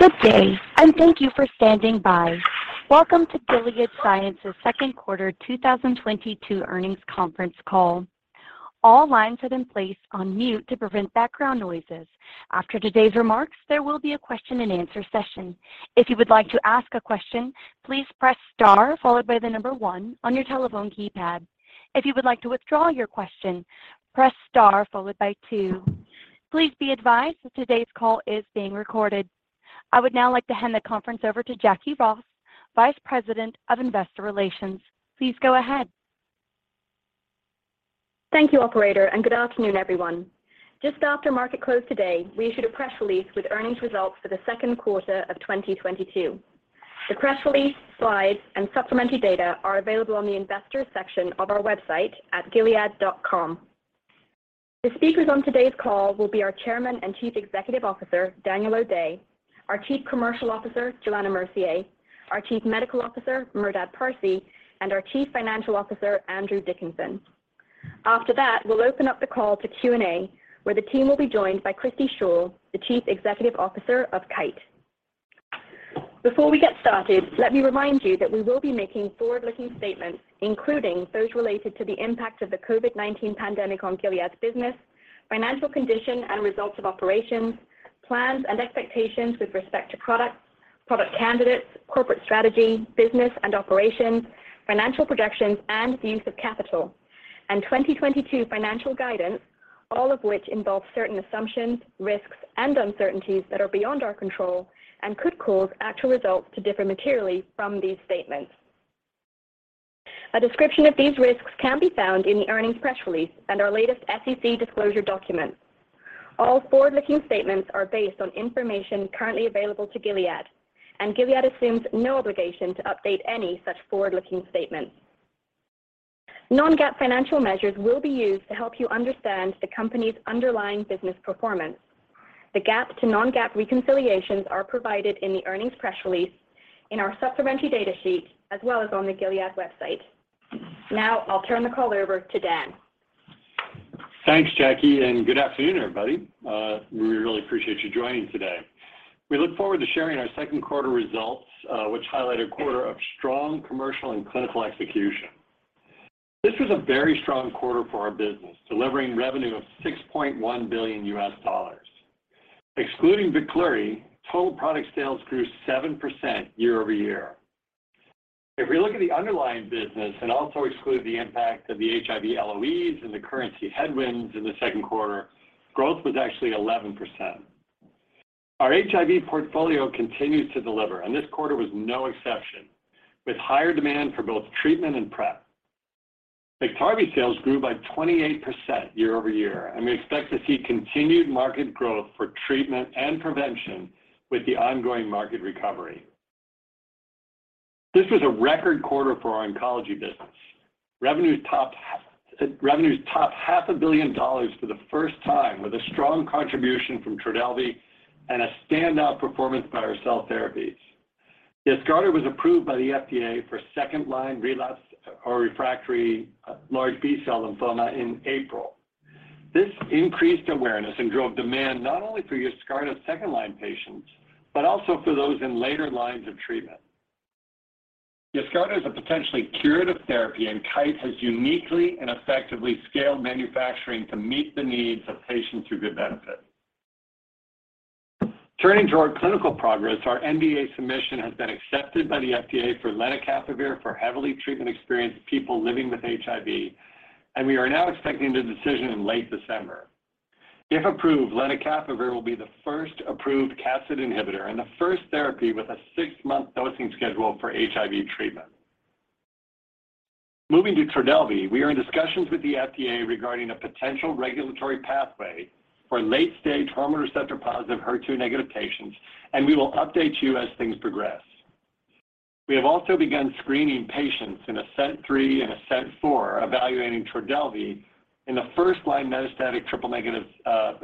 Good day, and thank you for standing by. Welcome to Gilead Sciences' Q2 2022 Earnings Conference Call. All lines have been placed on mute to prevent background noises. After today's remarks, there will be a question-and-answer session. If you would like to ask a question, please press star followed by the number one on your telephone keypad. If you would like to withdraw your question, press star followed by two. Please be advised that today's call is being recorded. I would now like to hand the conference over to Jacquie Ross, Vice President of Investor Relations. Please go ahead. Thank you, operator, and good afternoon, everyone. Just after market close today, we issued a press release with earnings results for Q2 of 2022. The press release, slides, and supplementary data are available on the Investors section of our website at gilead.com. The speakers on today's call will be our Chairman and Chief Executive Officer, Daniel O'Day, our Chief Commercial Officer, Johanna Mercier, our Chief Medical Officer, Merdad Parsey, and our Chief Financial Officer, Andrew Dickinson. After that, we'll open up the call to Q&A, where the team will be joined by Christi Shaw, the Chief Executive Officer of Kite. Before we get started, let me remind you that we will be making forward-looking statements, including those related to the impact of the COVID-19 pandemic on Gilead's business, financial condition and results of operations, plans and expectations with respect to products, product candidates, corporate strategy, business and operations, financial projections and the use of capital, and 2022 financial guidance, all of which involve certain assumptions, risks, and uncertainties that are beyond our control and could cause actual results to differ materially from these statements. A description of these risks can be found in the earnings press release and our latest SEC disclosure document. All forward-looking statements are based on information currently available to Gilead, and Gilead assumes no obligation to update any such forward-looking statements. Non-GAAP financial measures will be used to help you understand the company's underlying business performance. The GAAP to non-GAAP reconciliations are provided in the earnings press release, in our supplementary data sheet, as well as on the Gilead website. Now I'll turn the call over to Dan. Thanks, Jackie, and good afternoon, everybody. We really appreciate you joining today. We look forward to sharing our Q2 results, which highlight a quarter of strong commercial and clinical execution. This was a very strong quarter for our business, delivering revenue of $6.1 billion. Excluding Veklury, total product sales grew 7% year-over-year. If we look at the underlying business and also exclude the impact of the HIV LOEs and the currency headwinds in Q2, growth was actually 11%. Our HIV portfolio continues to deliver, and this quarter was no exception, with higher demand for both treatment and PrEP. Biktarvy sales grew by 28% year-over-year, and we expect to see continued market growth for treatment and prevention with the ongoing market recovery. This was a record quarter for our oncology business. Revenues topped half a billion dollars for the first time with a strong contribution from Trodelvy and a standout performance by our cell therapies. Yescarta was approved by the FDA for second-line relapsed or refractory large B-cell lymphoma in April. This increased awareness and drove demand not only for Yescarta second-line patients, but also for those in later lines of treatment. Yescarta is a potentially curative therapy, and Kite has uniquely and effectively scaled manufacturing to meet the needs of patients who could benefit. Turning to our clinical progress, our NDA submission has been accepted by the FDA for lenacapavir for heavily treatment-experienced people living with HIV, and we are now expecting the decision in late December. If approved, lenacapavir will be the first approved capsid inhibitor and the first therapy with a six-month dosing schedule for HIV treatment. Moving to Trodelvy, we are in discussions with the FDA regarding a potential regulatory pathway for late-stage hormone receptor-positive HER2-negative patients, and we will update you as things progress. We have also begun screening patients in ASCENT-3 and ASCENT-4, evaluating Trodelvy in the first-line metastatic triple-negative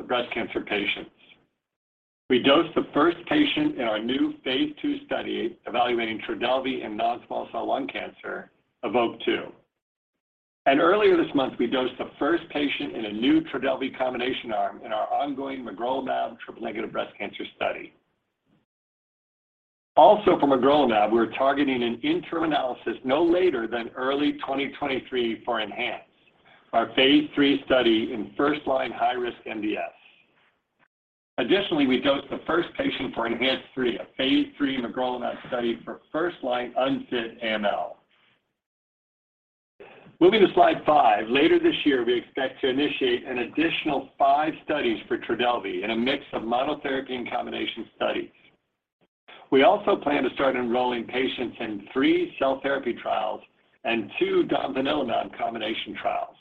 breast cancer patients. We dosed the first patient in our new phase 2 study evaluating Trodelvy in non-small cell lung cancer, EVOKE-2. Earlier this month, we dosed the first patient in a new Trodelvy combination arm in our ongoing magrolimab triple-negative breast cancer study. Also for magrolimab, we're targeting an interim analysis no later than early 2023 for ENHANCE, our phase 3 study in first-line high-risk MDS. Additionally, we dosed the first patient for ENHANCE-3, a phase 3 magrolimab study for first-line unfit AML. Moving to slide five, later this year, we expect to initiate an additional five studies for Trodelvy in a mix of monotherapy and combination studies. We also plan to start enrolling patients in three cell therapy trials and two domvanalimab combination trials.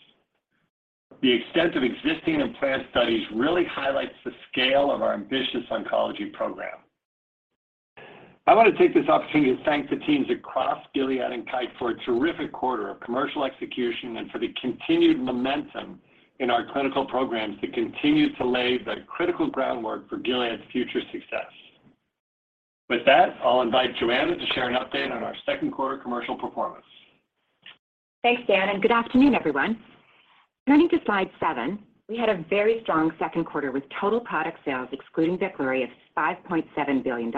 The extent of existing and planned studies really highlights the scale of our ambitious oncology program. I want to take this opportunity to thank the teams across Gilead and Kite for a terrific quarter of commercial execution and for the continued momentum in our clinical programs that continue to lay the critical groundwork for Gilead's future success. With that, I'll invite Johanna to share an update on our Q2 commercial performance. Thanks, Dan, and good afternoon, everyone. Turning to slide seven, we had a very strong Q2 with total product sales excluding Veklury of $5.7 billion,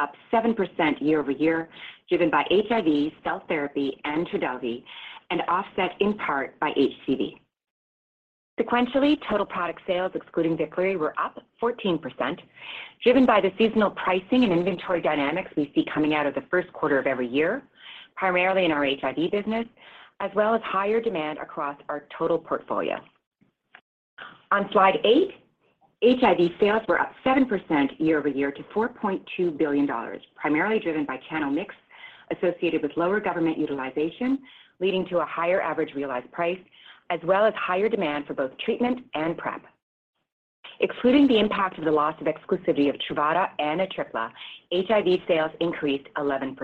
up 7% year-over-year, driven by HIV, cell therapy, and Trodelvy, and offset in part by HCV. Sequentially, total product sales excluding Veklury were up 14%, driven by the seasonal pricing and inventory dynamics we see coming out of Q1 of every year, primarily in our HIV business, as well as higher demand across our total portfolio. On slide eight, HIV sales were up 7% year-over-year to $4.2 billion, primarily driven by channel mix associated with lower government utilization, leading to a higher average realized price, as well as higher demand for both treatment and PrEP. Excluding the impact of the loss of exclusivity of Truvada and Atripla, HIV sales increased 11%.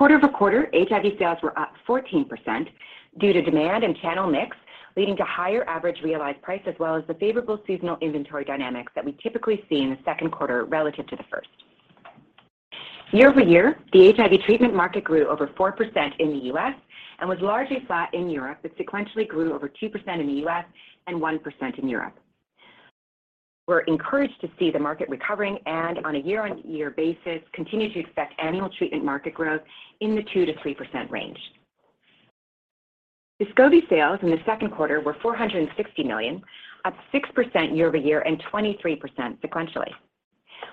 Quarter-over-quarter, HIV sales were up 14% due to demand and channel mix, leading to higher average realized price as well as the favorable seasonal inventory dynamics that we typically see in Q2 relative to the first. Year-over-year, the HIV treatment market grew over 4% in the U.S. and was largely flat in Europe, but sequentially grew over 2% in the U.S. and 1% in Europe. We're encouraged to see the market recovering and on a year-on-year basis continue to expect annual treatment market growth in the 2%-3% range. Descovy sales in Q2 were $460 million, up 6% year-over-year and 23% sequentially.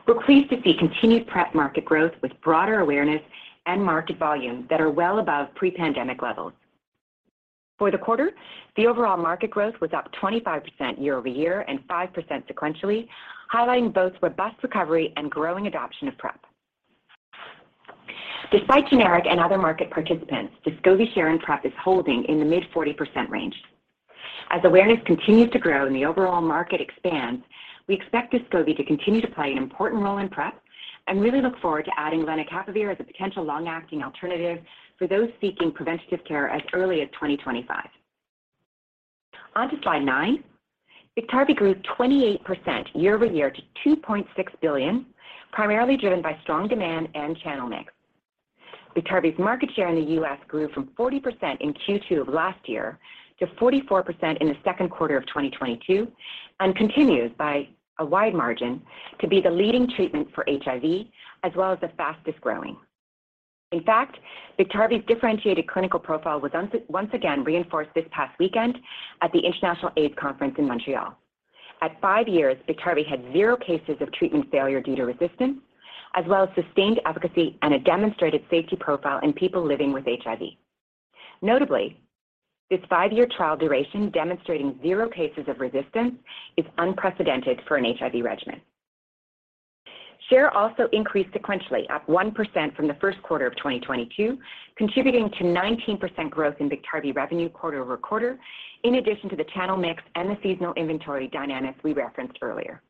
We're pleased to see continued PrEP market growth with broader awareness and market volume that are well above pre-pandemic levels. For the quarter, the overall market growth was up 25% year over year and 5% sequentially, highlighting both robust recovery and growing adoption of PrEP. Despite generic and other market participants, Descovy share in PrEP is holding in the mid-40% range. As awareness continues to grow and the overall market expands, we expect Descovy to continue to play an important role in PrEP and really look forward to adding lenacapavir as a potential long-acting alternative for those seeking preventative care as early as 2025. On to slide nine. Biktarvy grew 28% year over year to $2.6 billion, primarily driven by strong demand and channel mix. Biktarvy's market share in the U.S. grew from 40% in Q2 of last year to 44% in Q2 of 2022 and continues by a wide margin to be the leading treatment for HIV as well as the fastest-growing. In fact, Biktarvy's differentiated clinical profile was once again reinforced this past weekend at the International AIDS Conference in Montreal. At five years, Biktarvy had zero cases of treatment failure due to resistance, as well as sustained efficacy and a demonstrated safety profile in people living with HIV. Notably, this five-year trial duration demonstrating zero cases of resistance is unprecedented for an HIV regimen. Share also increased sequentially, up 1% from Q1 of 2022, contributing to 19% growth in Biktarvy revenue quarter over quarter, in addition to the channel mix and the seasonal inventory dynamics we referenced earlier.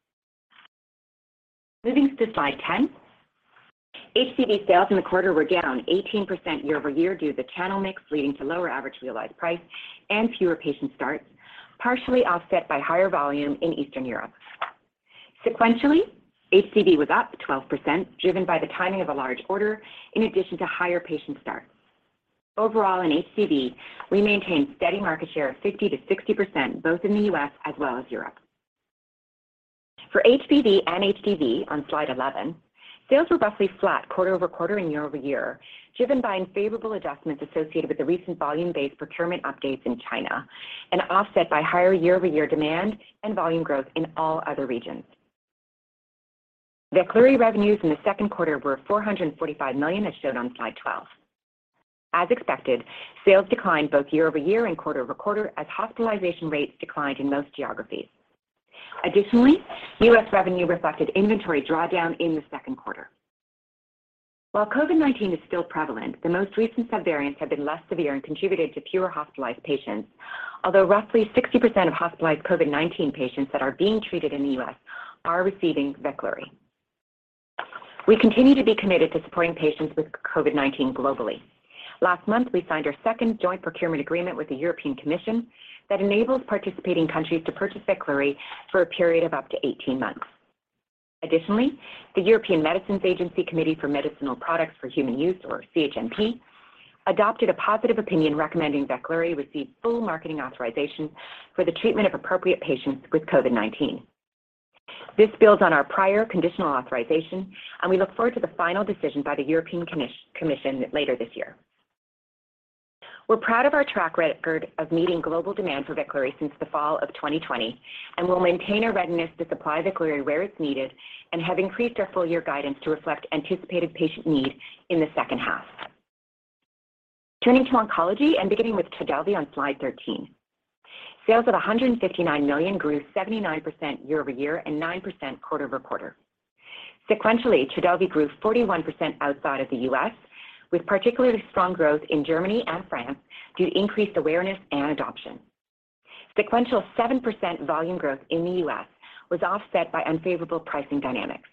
Moving to slide 10. HCV sales in the quarter were down 18% year-over-year due to the channel mix leading to lower average realized price and fewer patient starts, partially offset by higher volume in Eastern Europe. Sequentially, HCV was up 12%, driven by the timing of a large order in addition to higher patient starts. Overall in HCV, we maintained steady market share of 50%-60%, both in the U.S. as well as Europe. For HBV and HDV on slide 11, sales were roughly flat quarter-over-quarter and year-over-year, driven by unfavorable adjustments associated with the recent volume-based procurement updates in China and offset by higher year-over-year demand and volume growth in all other regions. Veklury revenues in Q2 were $445 million, as shown on slide 12. As expected, sales declined both year over year and quarter over quarter as hospitalization rates declined in most geographies. Additionally, U.S. revenue reflected inventory drawdown in Q2. While COVID-19 is still prevalent, the most recent subvariants have been less severe and contributed to fewer hospitalized patients, although roughly 60% of hospitalized COVID-19 patients that are being treated in the U.S. are receiving Veklury. We continue to be committed to supporting patients with COVID-19 globally. Last month, we signed our second joint procurement agreement with the European Commission that enables participating countries to purchase Veklury for a period of up to 18 months. Additionally, the European Medicines Agency Committee for Medicinal Products for Human Use, or CHMP, adopted a positive opinion recommending Veklury receive full marketing authorization for the treatment of appropriate patients with COVID-19. This builds on our prior conditional authorization, and we look forward to the final decision by the European Commission later this year. We're proud of our track record of meeting global demand for Veklury since the fall of 2020 and will maintain a readiness to supply Veklury where it's needed and have increased our full year guidance to reflect anticipated patient need in the second half. Turning to oncology and beginning with Trodelvy on slide 13. Sales of $159 million grew 79% year-over-year and 9% quarter-over-quarter. Sequentially, Trodelvy grew 41% outside of the U.S., with particularly strong growth in Germany and France due to increased awareness and adoption. Sequential 7% volume growth in the U.S. was offset by unfavorable pricing dynamics.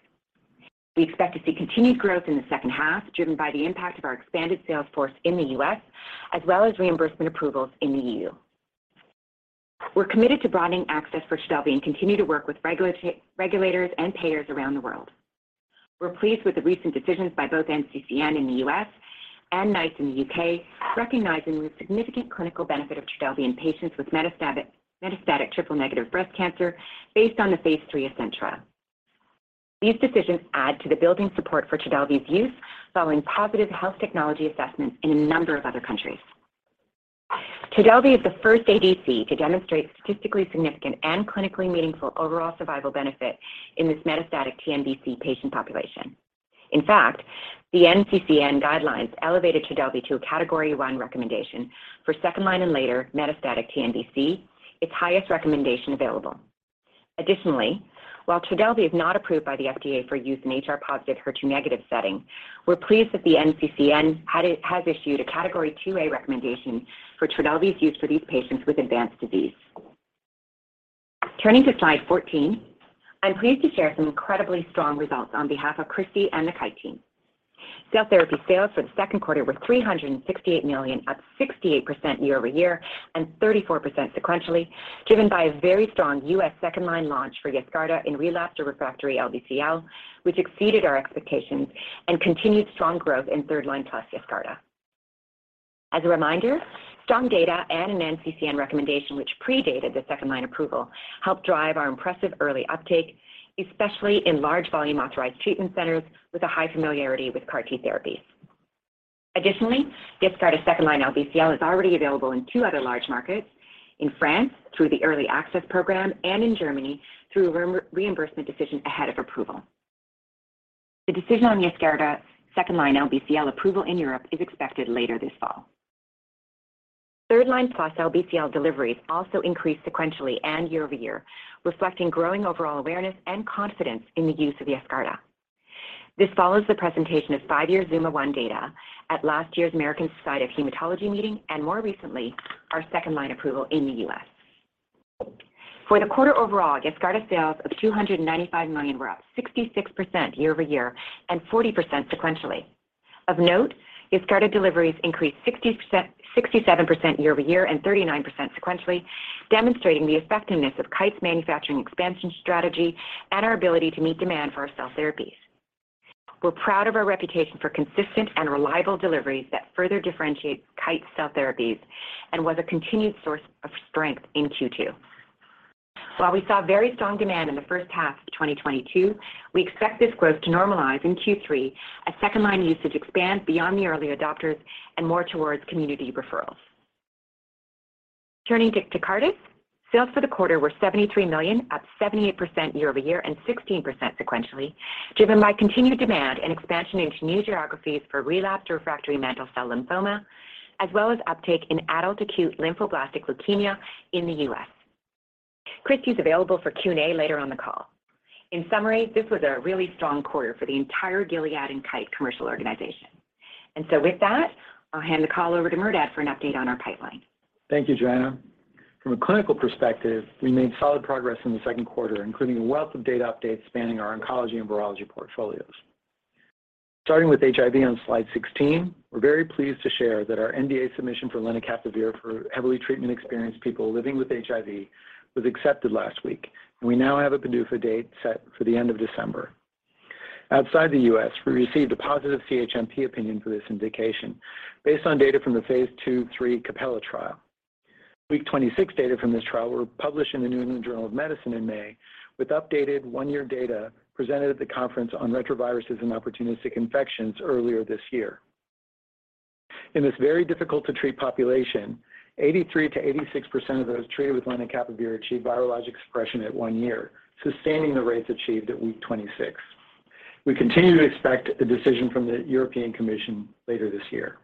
We expect to see continued growth in the second half, driven by the impact of our expanded sales force in the U.S. as well as reimbursement approvals in the E.U. We're committed to broadening access for Trodelvy and continue to work with regulators and payers around the world. We're pleased with the recent decisions by both NCCN in the U.S. and NICE in the U.K., recognizing the significant clinical benefit of Trodelvy in patients with metastatic triple-negative breast cancer based on the Phase 3 ASCENT trial. These decisions add to the building support for Trodelvy's use following positive health technology assessments in a number of other countries. Trodelvy is the first ADC to demonstrate statistically significant and clinically meaningful overall survival benefit in this metastatic TNBC patient population. In fact, the NCCN guidelines elevated Trodelvy to a category one recommendation for second-line and later metastatic TNBC, its highest recommendation available. Additionally, while Trodelvy is not approved by the FDA for use in HR-positive, HER2-negative setting, we're pleased that the NCCN has issued a category 2A recommendation for Trodelvy's use for these patients with advanced disease. Turning to slide 14, I'm pleased to share some incredibly strong results on behalf of Christi and the Kite team. Cell therapy sales for Q2 were $368 million, up 68% year-over-year and 34% sequentially, driven by a very strong U.S. second-line launch for Yescarta in relapsed or refractory LBCL, which exceeded our expectations, and continued strong growth in third-line plus Yescarta. As a reminder, strong data and an NCCN recommendation which predated the second-line approval helped drive our impressive early uptake, especially in large volume authorized treatment centers with a high familiarity with CAR T therapies. Additionally, Yescarta second-line LBCL is already available in two other large markets, in France through the early access program and in Germany through a re-reimbursement decision ahead of approval. The decision on Yescarta second-line LBCL approval in Europe is expected later this fall. Third line plus LBCL deliveries also increased sequentially and year-over-year, reflecting growing overall awareness and confidence in the use of Yescarta. This follows the presentation of five-year ZUMA-1 data at last year's American Society of Hematology meeting and more recently, our second-line approval in the U.S. For the quarter overall, Yescarta sales of $295 million were up 66% year-over-year and 40% sequentially. Of note, Yescarta deliveries increased 67% year-over-year and 39% sequentially, demonstrating the effectiveness of Kite's manufacturing expansion strategy and our ability to meet demand for our cell therapies. We're proud of our reputation for consistent and reliable deliveries that further differentiate Kite's cell therapies and was a continued source of strength in Q2. While we saw very strong demand in the first half of 2022, we expect this growth to normalize in Q3 as second-line usage expands beyond the early adopters and more towards community referrals. Turning to Tecartus, sales for the quarter were $73 million, up 78% year-over-year and 16% sequentially, driven by continued demand and expansion into new geographies for relapsed refractory mantle cell lymphoma, as well as uptake in adult acute lymphoblastic leukemia in the U.S. Christi is available for Q&A later on the call. In summary, this was a really strong quarter for the entire Gilead and Kite commercial organization. With that, I'll hand the call over to Merdad for an update on our pipeline. Thank you, Johanna. From a clinical perspective, we made solid progress in Q2, including a wealth of data updates spanning our oncology and virology portfolios. Starting with HIV on slide 16, we're very pleased to share that our NDA submission for lenacapavir for heavily treatment-experienced people living with HIV was accepted last week, and we now have a PDUFA date set for the end of December. Outside the U.S., we received a positive CHMP opinion for this indication based on data from the phase 2/3 CAPELLA trial. Week 26 data from this trial were published in The New England Journal of Medicine in May, with updated one-year data presented at the Conference on Retroviruses and Opportunistic Infections earlier this year. In this very difficult to treat population, 83%-86% of those treated with lenacapavir achieved virologic suppression at one year, sustaining the rates achieved at week 26. We continue to expect a decision from the European Commission later this year.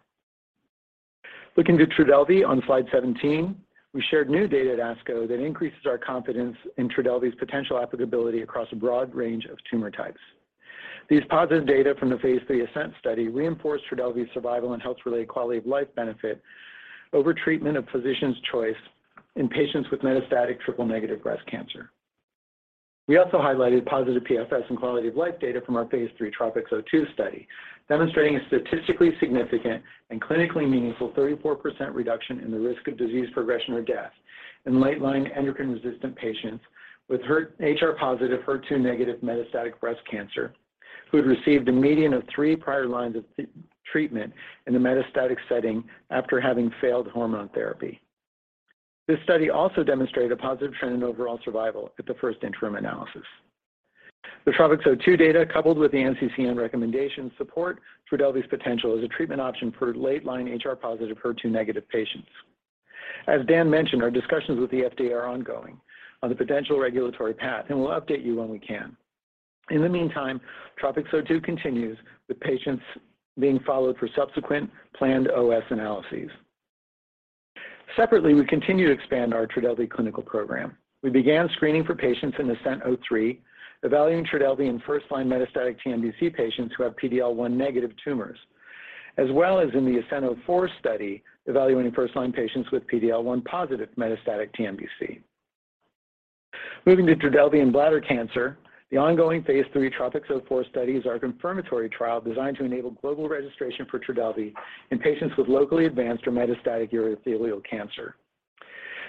Looking to Trodelvy on slide 17, we shared new data at ASCO that increases our confidence in Trodelvy's potential applicability across a broad range of tumor types. These positive data from the phase 3 ASCENT study reinforce Trodelvy's survival and health-related quality-of-life benefit over treatment of physician's choice in patients with metastatic triple-negative breast cancer. We also highlighted positive PFS and quality-of-life data from our Phase 3 TROPiCS-02 study, demonstrating a statistically significant and clinically meaningful 34% reduction in the risk of disease progression or death in late-line endocrine-resistant patients with HR-positive, HER2-negative metastatic breast cancer who had received a median of three prior lines of treatment in the metastatic setting after having failed hormone therapy. This study also demonstrated a positive trend in overall survival at the first interim analysis. The TROPiCS-02 data, coupled with the NCCN recommendation, support Trodelvy's potential as a treatment option for late-line HR-positive, HER2-negative patients. As Dan mentioned, our discussions with the FDA are ongoing on the potential regulatory path, and we'll update you when we can. In the meantime, TROPiCS-02 continues, with patients being followed for subsequent planned OS analyses. Separately, we continue to expand our Trodelvy clinical program. We began screening for patients in ASCENT-03, evaluating Trodelvy in first-line metastatic TNBC patients who have PD-L1 negative tumors, as well as in the ASCENT-04 study, evaluating first-line patients with PD-L1 positive metastatic TNBC. Moving to Trodelvy and bladder cancer, the ongoing phase 3 TROPiCS-04 study is our confirmatory trial designed to enable global registration for Trodelvy in patients with locally advanced or metastatic urothelial cancer.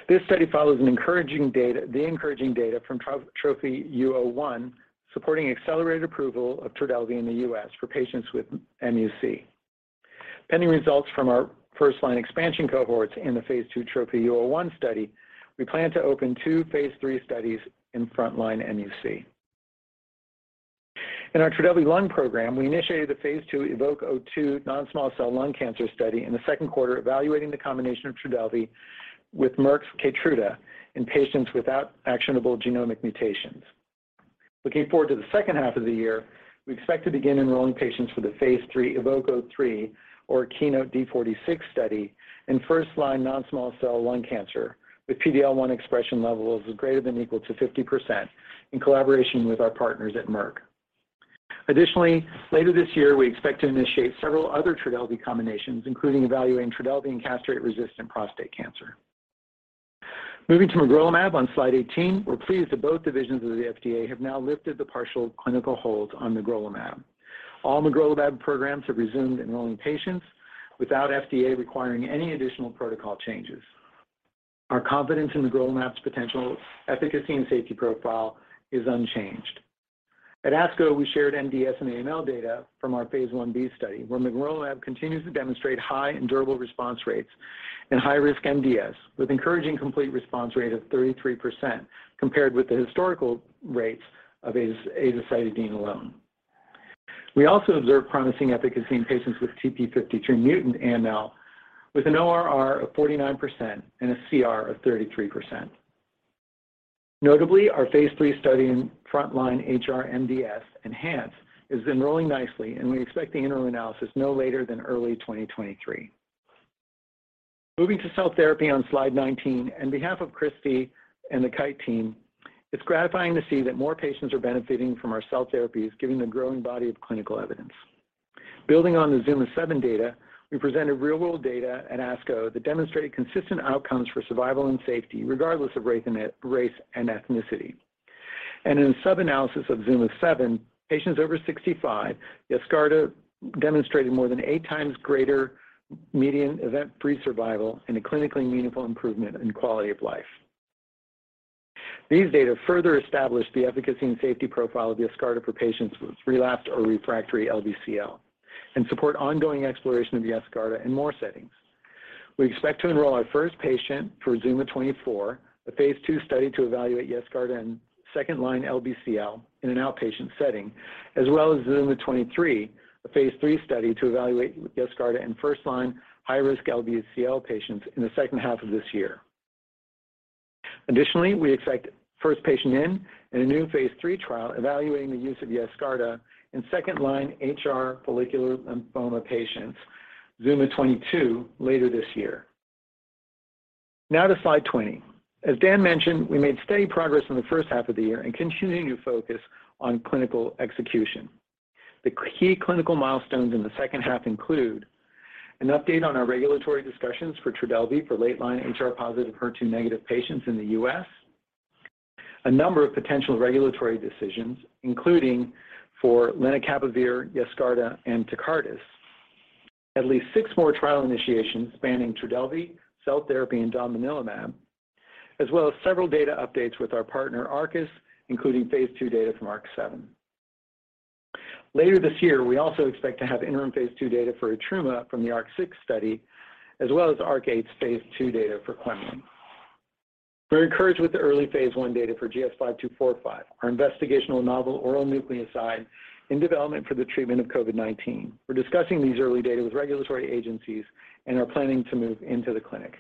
This study follows an encouraging data from TROPHY-U-01 supporting accelerated approval of Trodelvy in the U.S. for patients with mUC. Pending results from our first line expansion cohorts in the phase 2 TROPHY-U-01 study, we plan to open two phase 3 studies in frontline mUC. In our Trodelvy lung program, we initiated the phase 2 EVOKE-02 non-small cell lung cancer study in Q2, evaluating the combination of Trodelvy with Merck's Keytruda in patients without actionable genomic mutations. Looking forward to the second half of the year, we expect to begin enrolling patients for the Phase III EVOKE-03 or KEYNOTE-D46 study in first-line non-small cell lung cancer with PD-L1 expression levels of greater than or equal to 50% in collaboration with our partners at Merck. Additionally, later this year, we expect to initiate several other Trodelvy combinations, including evaluating Trodelvy in castration-resistant prostate cancer. Moving to magrolimab on slide 18, we're pleased that both divisions of the FDA have now lifted the partial clinical hold on magrolimab. All magrolimab programs have resumed enrolling patients without FDA requiring any additional protocol changes. Our confidence in magrolimab's potential efficacy and safety profile is unchanged. At ASCO, we shared MDS and AML data from our phase 1b study, where magrolimab continues to demonstrate high and durable response rates in high-risk MDS, with encouraging complete response rate of 33% compared with the historical rates of azacitidine alone. We also observed promising efficacy in patients with TP 53-mutant AML with an ORR of 49% and a CR of 33%. Notably, our phase 3 study in frontline HR-MDS, ENHANCE, is enrolling nicely, and we expect the interim analysis no later than early 2023. Moving to cell therapy on slide 19, on behalf of Christi and the Kite team, it's gratifying to see that more patients are benefiting from our cell therapies given the growing body of clinical evidence. Building on the ZUMA-7 data, we presented real-world data at ASCO that demonstrated consistent outcomes for survival and safety regardless of race and ethnicity. In subanalysis of ZUMA-7, patients over 65, Yescarta demonstrated more than 8x greater median event-free survival and a clinically meaningful improvement in quality of life. These data further establish the efficacy and safety profile of Yescarta for patients with relapsed or refractory LBCL and support ongoing exploration of Yescarta in more settings. We expect to enroll our first patient for ZUMA-24, a phase 2 study to evaluate Yescarta in second-line LBCL in an outpatient setting, as well as ZUMA-23, a phase 3 study to evaluate Yescarta in first-line high-risk LBCL patients in the second half of this year. We expect first patient in a new Phase 3 trial evaluating the use of Yescarta in second-line HR follicular lymphoma patients, ZUMA-22, later this year. Now to slide 20. As Dan mentioned, we made steady progress in the first half of the year and continue to focus on clinical execution. The key clinical milestones in the second half include an update on our regulatory discussions for Trodelvy for late-line HR-positive, HER2-negative patients in the U.S. A number of potential regulatory decisions, including for lenacapavir, Yescarta, and Tecartus. At least six more trial initiations spanning Trodelvy, cell therapy, and domvanalimab, as well as several data updates with our partner, Arcus, including Phase 2 data from ARC-7. Later this year, we also expect to have interim Phase 2 data for etrumadenant from the ARC-6 study, as well as ARC-8's Phase 2 data for quemliclustat. We're encouraged with the early phase I data for GS-5245, our investigational novel oral nucleoside in development for the treatment of COVID-19. We're discussing these early data with regulatory agencies and are planning to move into the clinic.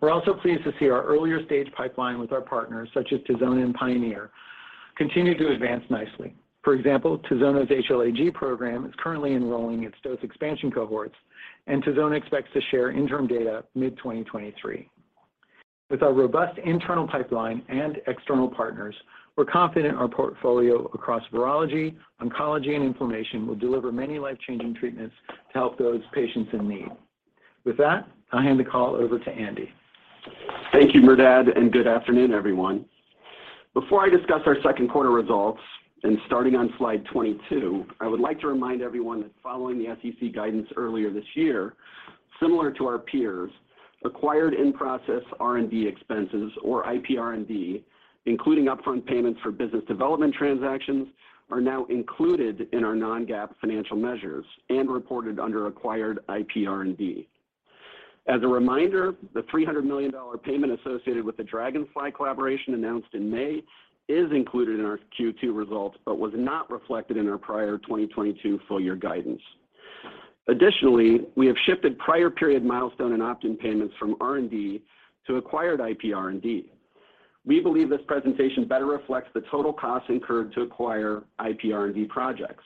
We're also pleased to see our earlier stage pipeline with our partners such as Tizona and Pionyr continue to advance nicely. For example, Tizona's HLA-G program is currently enrolling its dose expansion cohorts, and Tizona expects to share interim data mid-2023. With our robust internal pipeline and external partners, we're confident our portfolio across virology, oncology, and inflammation will deliver many life-changing treatments to help those patients in need. With that, I'll hand the call over to Andy. Thank you, Merdad, and good afternoon, everyone. Before I discuss our Q2 results and starting on slide 22, I would like to remind everyone that following the SEC guidance earlier this year, similar to our peers, acquired in-process R&D expenses or IPR&D, including upfront payments for business development transactions, are now included in our non-GAAP financial measures and reported under acquired IPR&D. As a reminder, the $300 million payment associated with the Dragonfly collaboration announced in May is included in our Q2 results but was not reflected in our prior 2022 full year guidance. Additionally, we have shifted prior period milestone and opt-in payments from R&D to acquired IPR&D. We believe this presentation better reflects the total costs incurred to acquire IPR&D projects.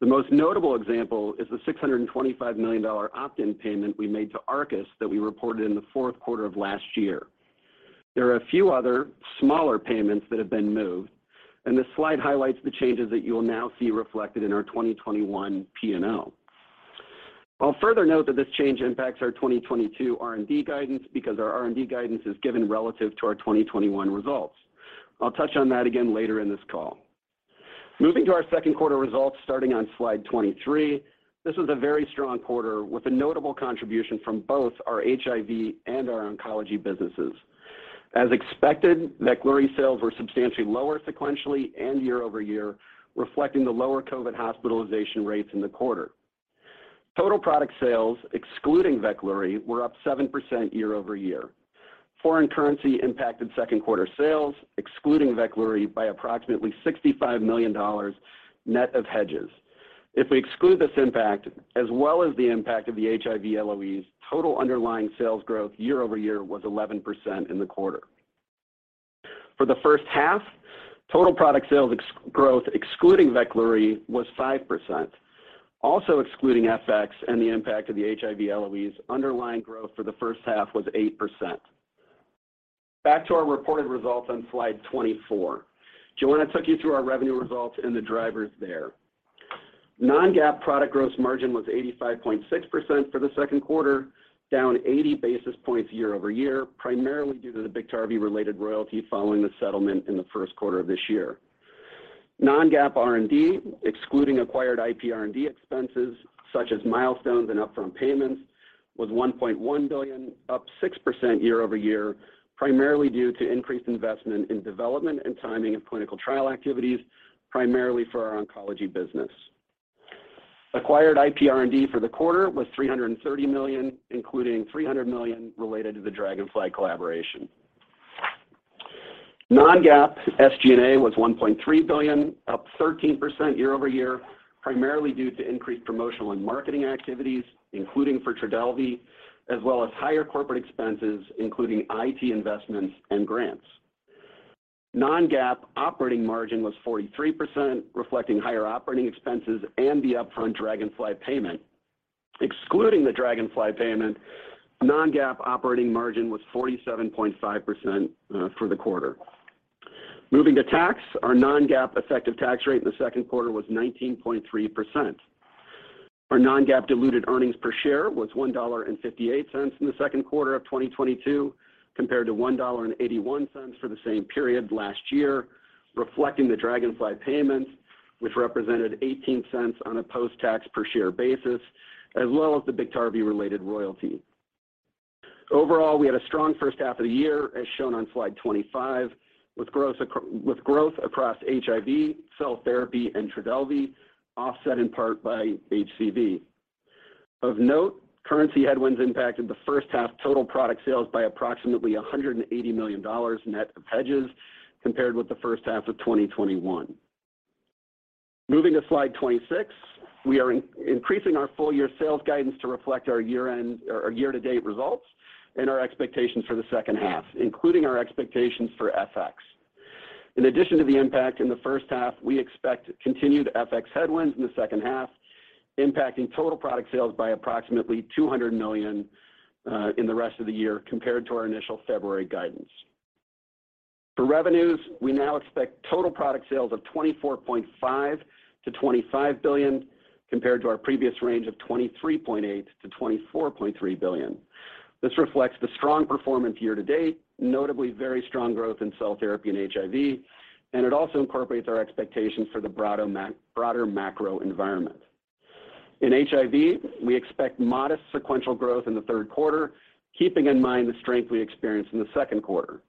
The most notable example is the $625 million opt-in payment we made to Arcus that we reported in the fourth quarter of last year. There are a few other smaller payments that have been moved, and this slide highlights the changes that you will now see reflected in our 2021 P&L. I'll further note that this change impacts our 2022 R&D guidance because our R&D guidance is given relative to our 2021 results. I'll touch on that again later in this call. Moving to our Q2 results starting on slide 23, this was a very strong quarter with a notable contribution from both our HIV and our oncology businesses. As expected, Veklury sales were substantially lower sequentially and year-over-year, reflecting the lower COVID hospitalization rates in the quarter. Total product sales, excluding Veklury, were up 7% year-over-year. Foreign currency impacted Q2 sales, excluding Veklury, by approximately $65 million net of hedges. If we exclude this impact, as well as the impact of the HIV LOEs, total underlying sales growth year-over-year was 11% in the quarter. For the first half, total product sales ex-growth, excluding Veklury, was 5%. Also excluding FX and the impact of the HIV LOEs, underlying growth for the first half was 8%. Back to our reported results on slide 24. Johanna took you through our revenue results and the drivers there. Non-GAAP product gross margin was 85.6% for Q2, down 80 basis points year-over-year, primarily due to the Biktarvy-related royalty following the settlement in the first quarter of this year. Non-GAAP R&D, excluding acquired IP R&D expenses such as milestones and upfront payments, was $1.1 billion, up 6% year-over-year, primarily due to increased investment in development and timing of clinical trial activities, primarily for our oncology business. Acquired IP R&D for the quarter was $330 million, including $300 million related to the Dragonfly collaboration. Non-GAAP SG&A was $1.3 billion, up 13% year-over-year, primarily due to increased promotional and marketing activities, including for Trodelvy, as well as higher corporate expenses, including IT investments and grants. Non-GAAP operating margin was 43%, reflecting higher operating expenses and the upfront Dragonfly payment. Excluding the Dragonfly payment, non-GAAP operating margin was 47.5% for the quarter. Moving to tax, our non-GAAP effective tax rate in Q2 was 19.3%. Our non-GAAP diluted earnings per share was $1.58 in Q2 of 2022, compared to $1.81 for the same period last year, reflecting the Dragonfly payment, which represented $0.18 on a post-tax per share basis, as well as the Biktarvy-related royalty. Overall, we had a strong first half of the year, as shown on slide 25, with growth across HIV, cell therapy, and Trodelvy, offset in part by HCV. Of note, currency headwinds impacted the first half total product sales by approximately $180 million net of hedges compared with the first half of 2021. Moving to slide 26, we are increasing our full-year sales guidance to reflect our year-to-date results and our expectations for the second half, including our expectations for FX. In addition to the impact in the first half, we expect continued FX headwinds in the second half, impacting total product sales by approximately $200 million in the rest of the year compared to our initial February guidance. For revenues, we now expect total product sales of $24.5-25 billion, compared to our previous range of $23.8-24.3 billion. This reflects the strong performance year to date, notably very strong growth in cell therapy and HIV, and it also incorporates our expectations for the broader macro environment. In HIV, we expect modest sequential growth in the third quarter, keeping in mind the strength we experienced in Q2.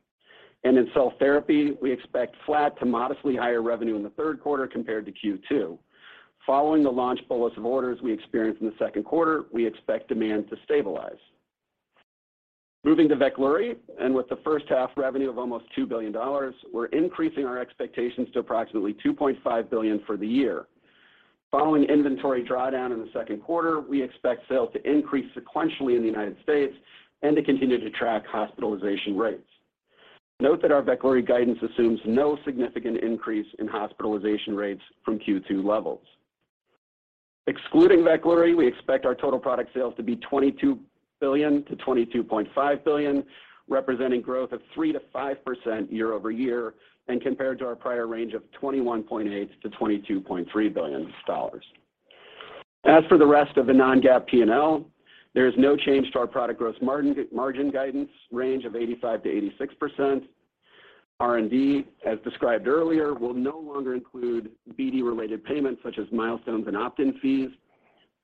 In cell therapy, we expect flat to modestly higher revenue in Q3 compared to Q2. Following the large bulks of orders we experienced in Q2, we expect demand to stabilize. Moving to Veklury, with the first half revenue of almost $2 billion, we're increasing our expectations to approximately $2.5 billion for the year. Following inventory drawdown in Q2, we expect sales to increase sequentially in the United States and to continue to track hospitalization rates. Note that our Veklury guidance assumes no significant increase in hospitalization rates from Q2 levels. Excluding Veklury, we expect our total product sales to be $22-22.5 billion, representing growth of 3%-5% year-over-year and compared to our prior range of $21.8-22.3 billion. As for the rest of the non-GAAP P&L, there is no change to our product gross margin guidance range of 85%-86%. R&D, as described earlier, will no longer include BD-related payments such as milestones and opt-in fees.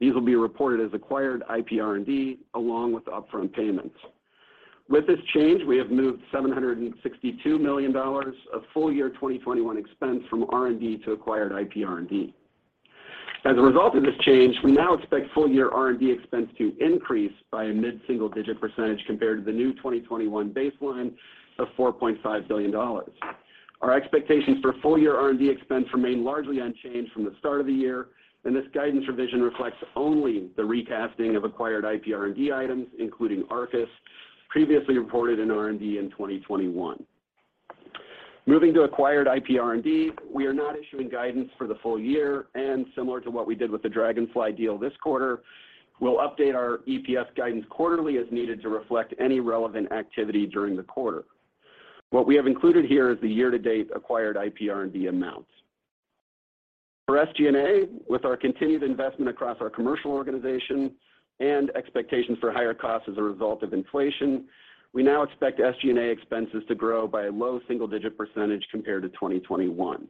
These will be reported as acquired IPR&D along with upfront payments. With this change, we have moved $762 million of full year 2021 expense from R&D to acquired IPR&D. As a result of this change, we now expect full year R&D expense to increase by a mid-single-digit percentage compared to the new 2021 baseline of $4.5 billion. Our expectations for full year R&D expense remain largely unchanged from the start of the year, and this guidance revision reflects only the recasting of acquired IPR&D items, including Arcus, previously reported in R&D in 2021. Moving to acquired IPR&D, we are not issuing guidance for the full year, and similar to what we did with the Dragonfly deal this quarter, we'll update our EPS guidance quarterly as needed to reflect any relevant activity during the quarter. What we have included here is the year-to-date acquired IPR&D amounts. For SG&A, with our continued investment across our commercial organization and expectations for higher costs as a result of inflation, we now expect SG&A expenses to grow by a low single-digit percentage compared to 2021.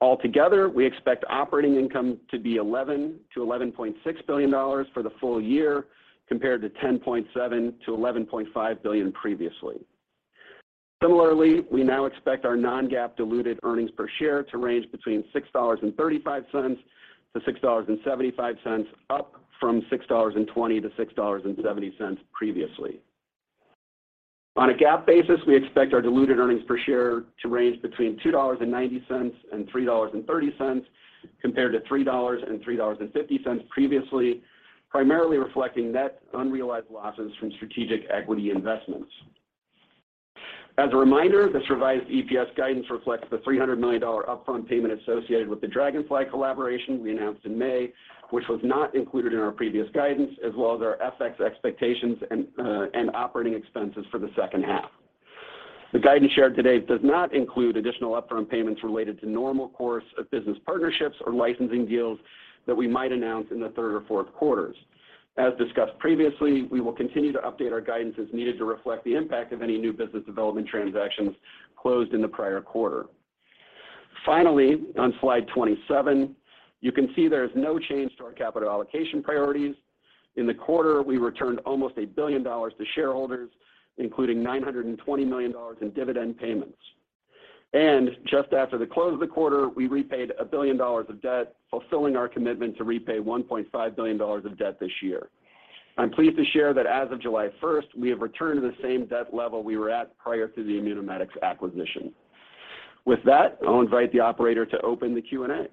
Altogether, we expect operating income to be $11-11.6 billion for the full year compared to $10.7-11.5 billion previously. Similarly, we now expect our non-GAAP diluted earnings per share to range between $6.35-6.75, up from $6.20-6.70 previously. On a GAAP basis, we expect our diluted earnings per share to range between $2.90 and 3.30 compared to $3 to 3.50 previously, primarily reflecting net unrealized losses from strategic equity investments. As a reminder, this revised EPS guidance reflects the $300 million upfront payment associated with the Dragonfly Therapeutics collaboration we announced in May, which was not included in our previous guidance as well as our FX expectations and operating expenses for the second half. The guidance shared today does not include additional upfront payments related to normal course of business partnerships or licensing deals that we might announce in Q3 or Q4s. As discussed previously, we will continue to update our guidance as needed to reflect the impact of any new business development transactions closed in the prior quarter. Finally, on slide 27, you can see there is no change to our capital allocation priorities. In the quarter, we returned almost $1 billion to shareholders, including $920 million in dividend payments. Just after the close of the quarter, we repaid $1 billion of debt, fulfilling our commitment to repay $1.5 billion of debt this year. I'm pleased to share that as of July 1, we have returned to the same debt level we were at prior to the Immunomedics acquisition. With that, I'll invite the operator to open the Q&A.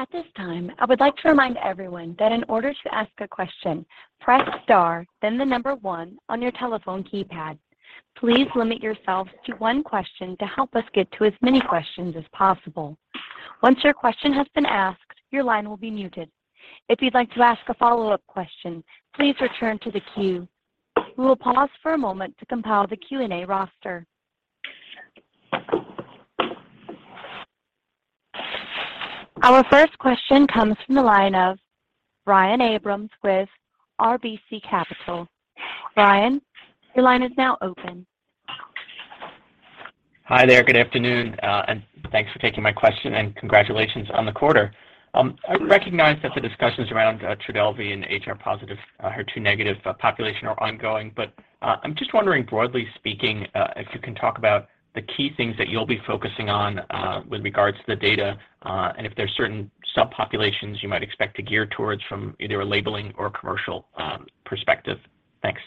At this time, I would like to remind everyone that in order to ask a question, press star, then the number one on your telephone keypad. Please limit yourself to one question to help us get to as many questions as possible. Once your question has been asked, your line will be muted. If you'd like to ask a follow-up question, please return to the queue. We will pause for a moment to compile the Q&A roster. Our first question comes from the line of Brian Abrahams with RBC Capital. Brian, your line is now open. Hi there. Good afternoon, and thanks for taking my question and congratulations on the quarter. I recognize that the discussions around Trodelvy and HR-positive, HER2-negative population are ongoing. I'm just wondering, broadly speaking, if you can talk about the key things that you'll be focusing on, with regards to the data, and if there's certain subpopulations you might expect to gear towards from either a labeling or commercial, perspective. Thanks.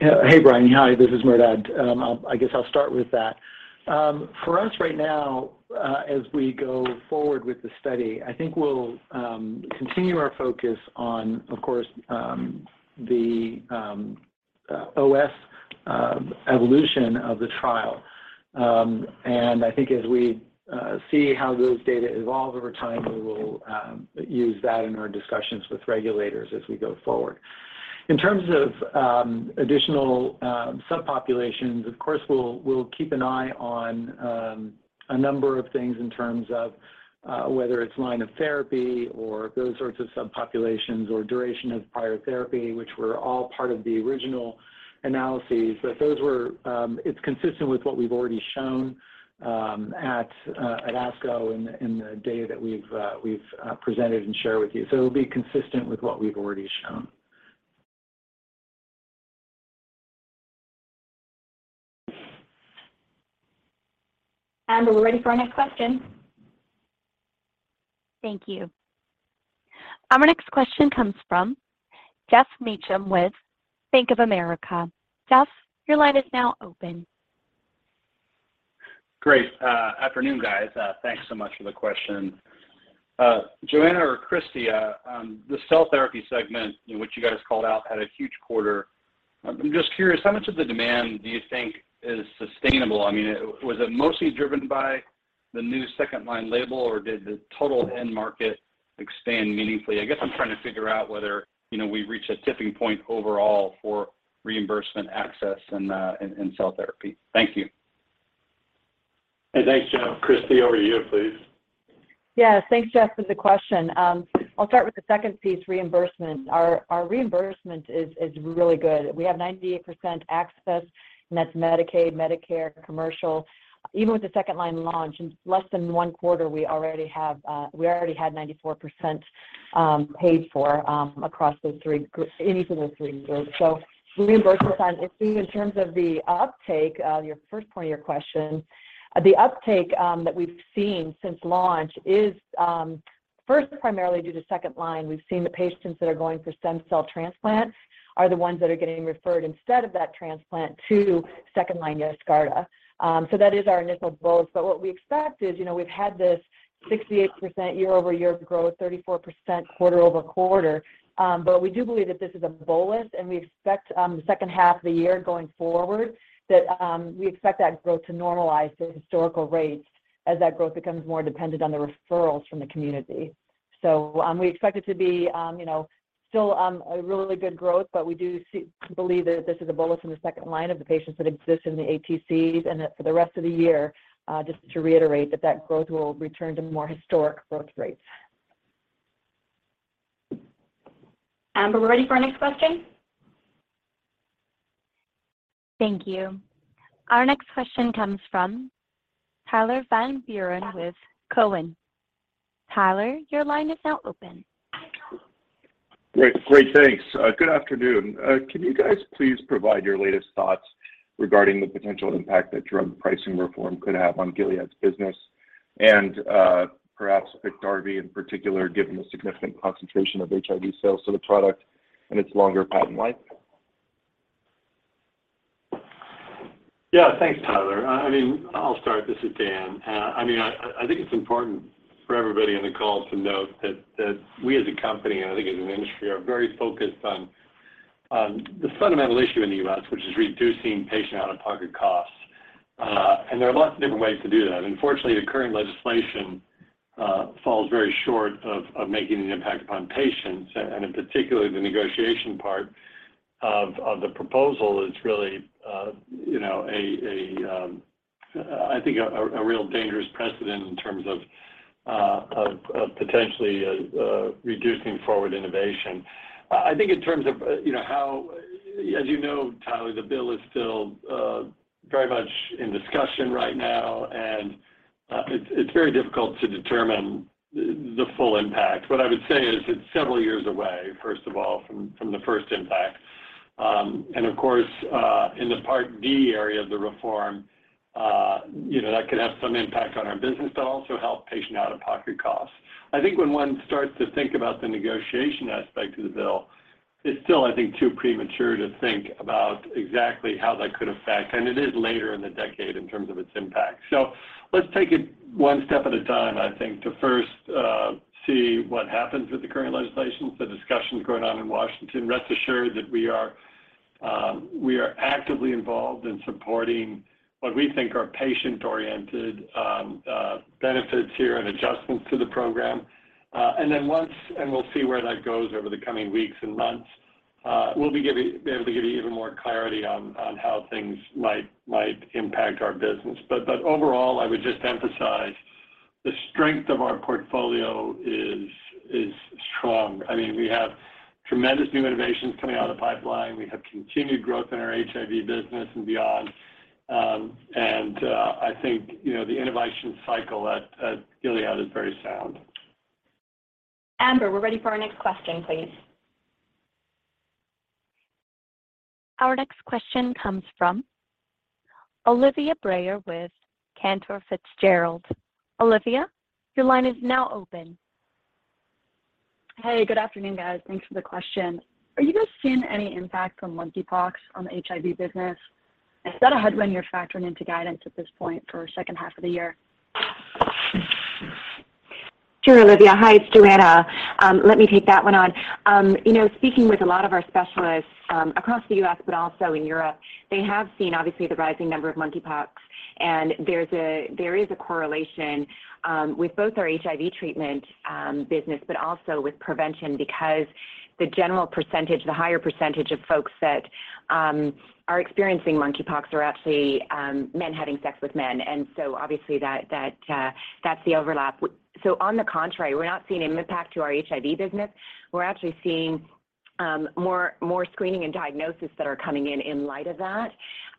Yeah. Hey, Brian. Hi, this is Merdad. I guess I'll start with that. For us right now, as we go forward with the study, I think we'll continue our focus on, of course, the OS evolution of the trial. I think as we see how those data evolve over time, we will use that in our discussions with regulators as we go forward. In terms of additional subpopulations, of course, we'll keep an eye on a number of things in terms of whether it's line of therapy or those sorts of subpopulations or duration of prior therapy, which were all part of the original analyses. It's consistent with what we've already shown at ASCO in the data that we've presented and shared with you. It'll be consistent with what we've already shown. We're ready for our next question. Thank you. Our next question comes from Geoff Meacham with Bank of America. Geoff, your line is now open. Great. Afternoon, guys. Thanks so much for the question. Johanna or Christi, the cell therapy segment, you know, what you guys called out had a huge quarter. I'm just curious, how much of the demand do you think is sustainable? I mean, was it mostly driven by the new second line label, or did the total end market expand meaningfully? I guess I'm trying to figure out whether, you know, we've reached a tipping point overall for reimbursement access in cell therapy. Thank you. Hey, thanks, Geoff. Christi, over to you, please. Yeah. Thanks, Geoff, for the question. I'll start with the second piece, reimbursement. Our reimbursement is really good. We have 98% access, and that's Medicaid, Medicare, commercial. Even with the second line launch, in less than one quarter we already had 94% paid for across any of those three groups. The reimbursement side we're seeing in terms of the uptake, your first point of your question, the uptake that we've seen since launch is first primarily due to second line. We've seen the patients that are going for stem cell transplants are the ones that are getting referred instead of that transplant to second-line Yescarta. That is our initial goal. But what we expect is, you know, we've had this 68% year-over-year growth, 34% quarter-over-quarter. We do believe that this is a bolus, and we expect the second half of the year going forward that growth to normalize to historical rates as that growth becomes more dependent on the referrals from the community. We expect it to be, you know, still a really good growth, but we do believe that this is a blip from the second line of the patients that exist in the ATCs and that for the rest of the year, just to reiterate that growth will return to more historic growth rates. Amber, we're ready for our next question. Thank you. Our next question comes from Tyler Van Buren with Cowen. Tyler, your line is now open. Great. Thanks. Good afternoon. Can you guys please provide your latest thoughts regarding the potential impact that drug pricing reform could have on Gilead's business and, perhaps Biktarvy in particular, given the significant concentration of HIV sales to the product and its longer patent life? Yeah. Thanks, Tyler. I mean, I'll start. This is Dan. I mean, I think it's important for everybody on the call to note that we as a company, and I think as an industry, are very focused on the fundamental issue in the U.S., which is reducing patient out-of-pocket costs. There are lots of different ways to do that. Unfortunately, the current legislation falls very short of making an impact upon patients. In particular, the negotiation part of the proposal is really, you know, I think a real dangerous precedent in terms of potentially reducing forward innovation. I think in terms of, you know, how... As you know, Tyler, the bill is still very much in discussion right now, and it's very difficult to determine the full impact. What I would say is it's several years away, first of all, from the first impact. And of course, in the Part D area of the reform, you know, that could have some impact on our business, but also help patient out-of-pocket costs. I think when one starts to think about the negotiation aspect of the bill, it's still, I think, too premature to think about exactly how that could affect, and it is later in the decade in terms of its impact. So let's take it one step at a time, I think, to first see what happens with the current legislation, the discussions going on in Washington. Rest assured that we are actively involved in supporting what we think are patient-oriented benefits here and adjustments to the program. We'll see where that goes over the coming weeks and months. We'll be able to give you even more clarity on how things might impact our business. Overall, I would just emphasize the strength of our portfolio is strong. I mean, we have tremendous new innovations coming out of the pipeline. We have continued growth in our HIV business and beyond. I think, you know, the innovation cycle at Gilead is very sound. Amber, we're ready for our next question, please. Our next question comes from Olivia Brayer with Cantor Fitzgerald. Olivia, your line is now open. Hey, good afternoon, guys. Thanks for the question. Are you guys seeing any impact from monkeypox on the HIV business? Is that a headwind you're factoring into guidance at this point for second half of the year? Sure, Olivia. Hi, it's Johanna. Let me take that one on. You know, speaking with a lot of our specialists across the U.S., but also in Europe, they have seen obviously the rising number of monkeypox, and there is a correlation with both our HIV treatment business, but also with prevention because the general percentage, the higher percentage of folks that are experiencing monkeypox are actually men having sex with men. Obviously that that's the overlap. On the contrary, we're not seeing an impact to our HIV business. We're actually seeing more screening and diagnosis that are coming in in light of that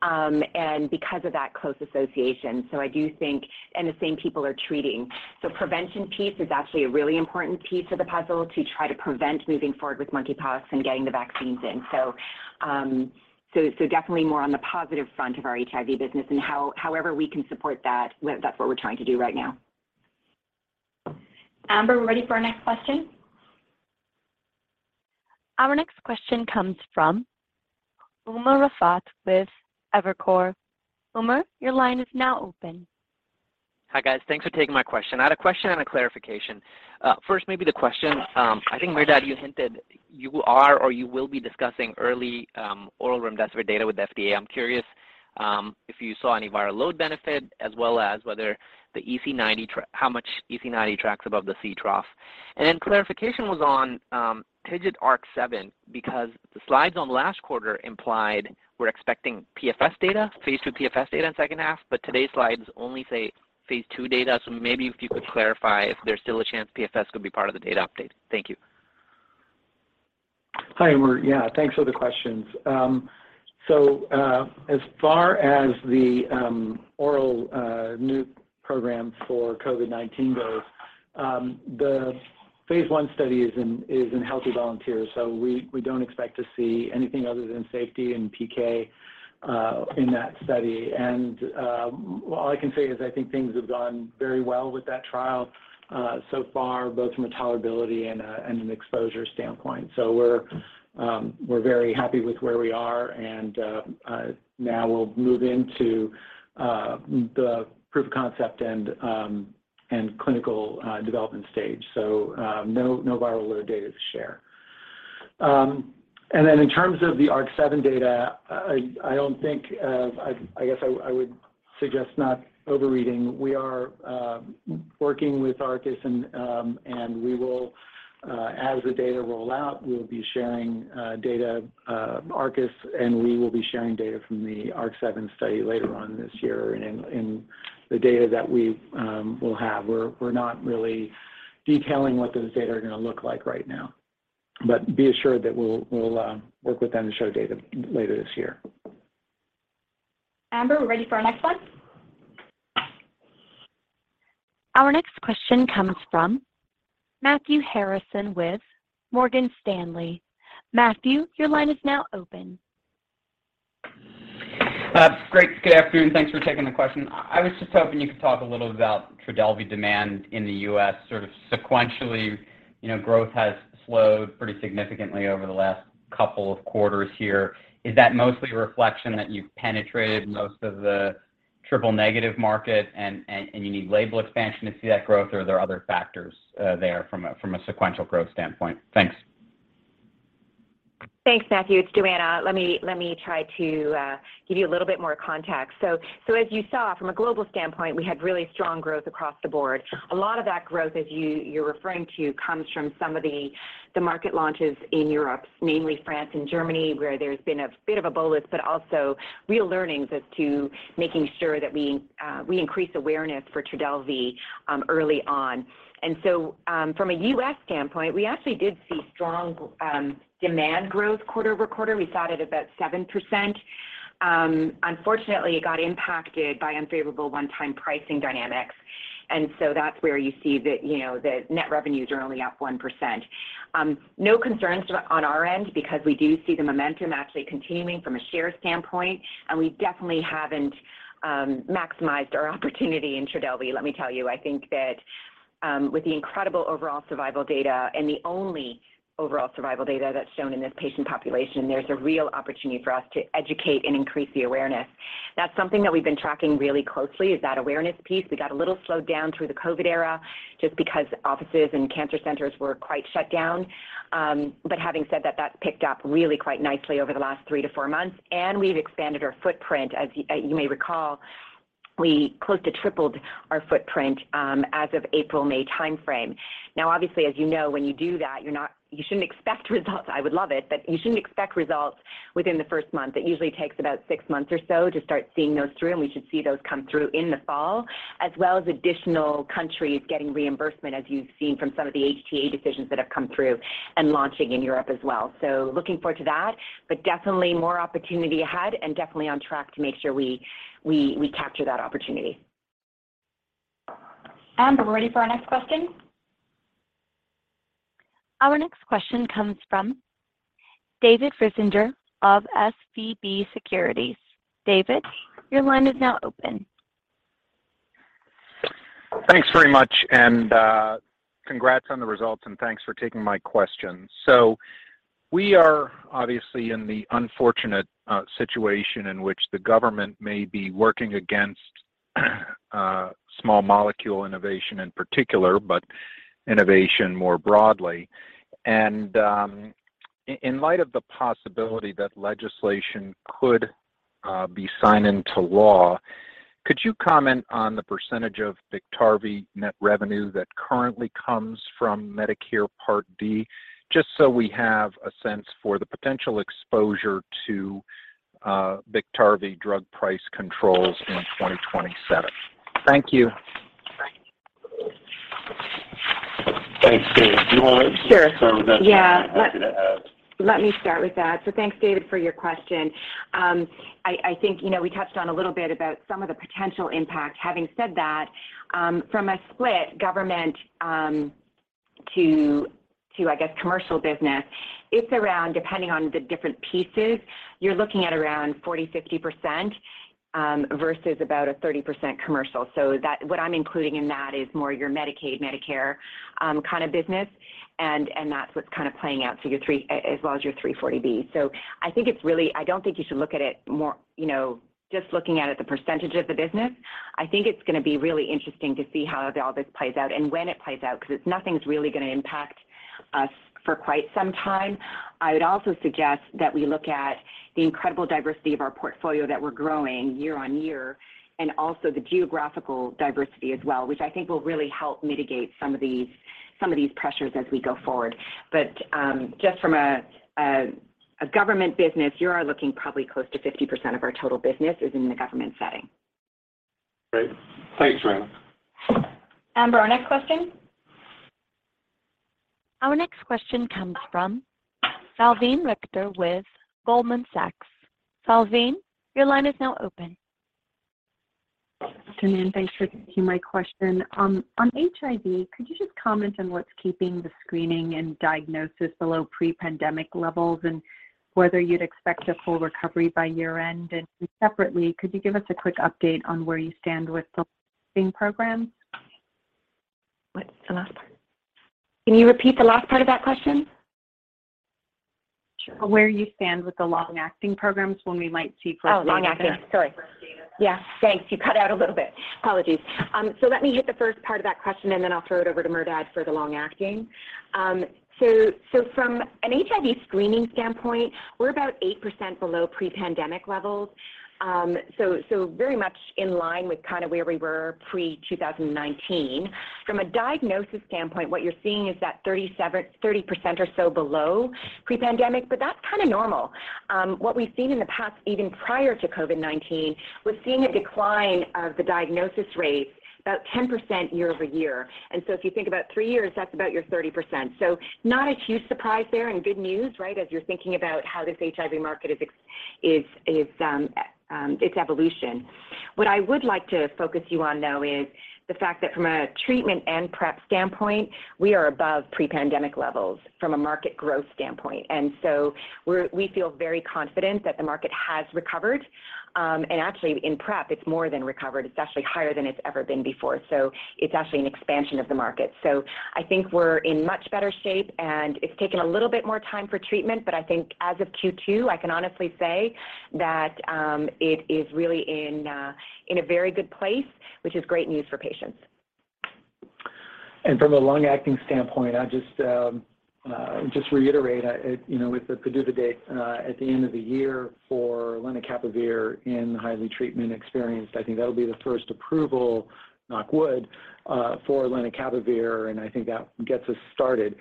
and because of that close association. I do think the same people are treating. Prevention piece is actually a really important piece of the puzzle to try to prevent moving forward with monkeypox and getting the vaccines in. Definitely more on the positive front of our HIV business and however we can support that's what we're trying to do right now. Amber, we're ready for our next question. Our next question comes from Umer Raffat with Evercore. Umer, your line is now open. Hi, guys. Thanks for taking my question. I had a question and a clarification. First maybe the question. I think Merdad you hinted you are or you will be discussing early oral remdesivir data with the FDA. I'm curious if you saw any viral load benefit as well as whether the EC90 how much EC90 tracks above the C trough. And then clarification was on TIGIT ARC-7 because the slides on last quarter implied we're expecting PFS data, phase two PFS data in second half, but today's slides only say phase two data. Maybe if you could clarify if there's still a chance PFS could be part of the data update. Thank you. Hi, Umer. Yeah, thanks for the questions. As far as the oral nucleoside program for COVID-19 goes, the phase 1 study is in healthy volunteers, so we don't expect to see anything other than safety and PK in that study. All I can say is I think things have gone very well with that trial so far, both from a tolerability and an exposure standpoint. We're very happy with where we are, and now we'll move into the proof of concept and clinical development stage. No viral load data to share. Then in terms of the ARC-7 data, I guess I would suggest not overreading. We are working with Arcus and as the data roll out, we'll be sharing data from the ARC-7 study later on this year and the data that we will have. We're not really detailing what those data are gonna look like right now. Be assured that we'll work with them to show data later this year. Amber, we're ready for our next one. Our next question comes from Matthew Harrison with Morgan Stanley. Matthew, your line is now open. Great. Good afternoon. Thanks for taking the question. I was just hoping you could talk a little about Trodelvy demand in the U.S. sort of sequentially. You know, growth has slowed pretty significantly over the last couple of quarters here. Is that mostly a reflection that you've penetrated most of the triple-negative market and you need label expansion to see that growth? Or are there other factors there from a sequential growth standpoint? Thanks. Thanks, Matthew. It's Johanna. Let me try to give you a little bit more context. So as you saw from a global standpoint, we had really strong growth across the board. A lot of that growth, as you're referring to, comes from some of the market launches in Europe, namely France and Germany, where there's been a bit of a bolus, but also real learnings as to making sure that we increase awareness for Trodelvy early on. From a U.S. standpoint, we actually did see strong demand growth quarter-over-quarter. We saw it at about 7%. Unfortunately, it got impacted by unfavorable one-time pricing dynamics. That's where you see the net revenues are only up 1%. No concerns on our end because we do see the momentum actually continuing from a share standpoint, and we definitely haven't maximized our opportunity in Trodelvy. Let me tell you, I think that with the incredible overall survival data and the only overall survival data that's shown in this patient population, there's a real opportunity for us to educate and increase the awareness. That's something that we've been tracking really closely is that awareness piece. We got a little slowed down through the COVID era just because offices and cancer centers were quite shut down. But having said that's picked up really quite nicely over the last three to four months, and we've expanded our footprint. As you may recall, we close to tripled our footprint as of April-May timeframe. Now, obviously, as you know, when you do that, you shouldn't expect results. I would love it, but you shouldn't expect results within the first month. It usually takes about six months or so to start seeing those through, and we should see those come through in the fall, as well as additional countries getting reimbursement, as you've seen from some of the HTA decisions that have come through and launching in Europe as well. Looking forward to that, but definitely more opportunity ahead and definitely on track to make sure we capture that opportunity. Amber, we're ready for our next question. Our next question comes from David Risinger of SVB Securities. David, your line is now open. Thanks very much, and congrats on the results, and thanks for taking my question. We are obviously in the unfortunate situation in which the government may be working against small molecule innovation in particular, but innovation more broadly. In light of the possibility that legislation could be signed into law, could you comment on the percentage of Biktarvy net revenue that currently comes from Medicare Part D, just so we have a sense for the potential exposure to Biktarvy drug price controls in 2027. Thank you. Thanks, David. Sure Start with that. Yeah. I'm happy to add. Let me start with that. Thanks, David, for your question. I think, you know, we touched on a little bit about some of the potential impact. Having said that, from a split government to I guess commercial business, it's around, depending on the different pieces, you're looking at around 40%-50%, versus about 30% commercial. What I'm including in that is more your Medicaid, Medicare kind of business, and that's what's kind of playing out for your three as well as your 340B. I think it's really I don't think you should look at it more, you know, just looking at it the percentage of the business. I think it's gonna be really interesting to see how all this plays out and when it plays out because nothing's really gonna impact us for quite some time. I would also suggest that we look at the incredible diversity of our portfolio that we're growing year on year and also the geographical diversity as well, which I think will really help mitigate some of these pressures as we go forward. Just from a government business, you are looking probably close to 50% of our total business is in the government setting. Great. Thanks, Johanna. Amber, our next question. Our next question comes from Salveen Richter with Goldman Sachs. Salveen, your line is now open. Thanks for taking my question. On HIV, could you just comment on what's keeping the screening and diagnosis below pre-pandemic levels and whether you'd expect a full recovery by year-end? Separately, could you give us a quick update on where you stand with the screening programs? What's the last part? Can you repeat the last part of that question? Where you stand with the long-acting programs when we might see? Oh, long-acting. Sorry. Yeah. Thanks. You cut out a little bit. Apologies. Let me hit the first part of that question, and then I'll throw it over to Merdad for the long-acting. From an HIV screening standpoint, we're about 8% below pre-pandemic levels. Very much in line with kinda where we were pre-2019. From a diagnosis standpoint, what you're seeing is that 30% or so below pre-pandemic, but that's kinda normal. What we've seen in the past, even prior to COVID-19, was seeing a decline of the diagnosis rates about 10% year-over-year. If you think about three years, that's about your 30%. Not a huge surprise there and good news, right, as you're thinking about how this HIV market is its evolution. What I would like to focus you on though is the fact that from a treatment and PrEP standpoint, we are above pre-pandemic levels from a market growth standpoint. We feel very confident that the market has recovered. Actually in PrEP, it's more than recovered. It's actually higher than it's ever been before. It's actually an expansion of the market. I think we're in much better shape, and it's taken a little bit more time for treatment, but I think as of Q2, I can honestly say that it is really in a very good place, which is great news for patients. From a long-acting standpoint, I just reiterate, it, you know, with the PDUFA date at the end of the year for lenacapavir in highly treatment-experienced, I think that'll be the first approval, knock wood, for lenacapavir, and I think that gets us started.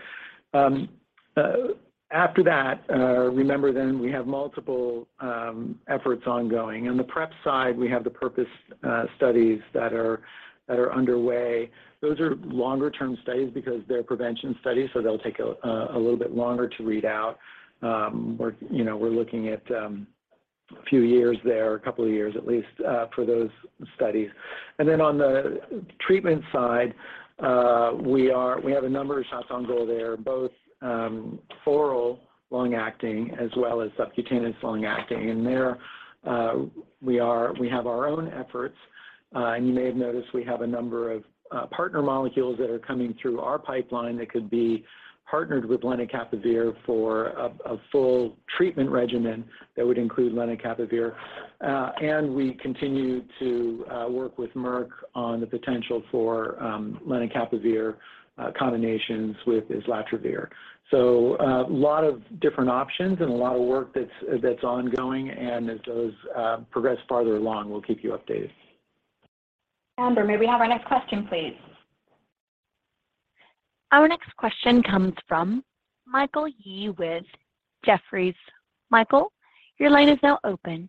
After that, remember then we have multiple efforts ongoing. On the PrEP side, we have the PURPOSE studies that are underway. Those are longer-term studies because they're prevention studies, so they'll take a little bit longer to read out. We're, you know, looking at a few years there, a couple of years at least, for those studies. Then on the treatment side, we have a number of shots on goal there, both oral long-acting as well as subcutaneous long-acting. We have our own efforts, and you may have noticed we have a number of partner molecules that are coming through our pipeline that could be partnered with lenacapavir for a full treatment regimen that would include lenacapavir. We continue to work with Merck on the potential for lenacapavir combinations with islatravir. A lot of different options and a lot of work that's ongoing. As those progress farther along, we'll keep you updated. Amber, may we have our next question, please? Our next question comes from Michael Yee with Jefferies. Michael, your line is now open.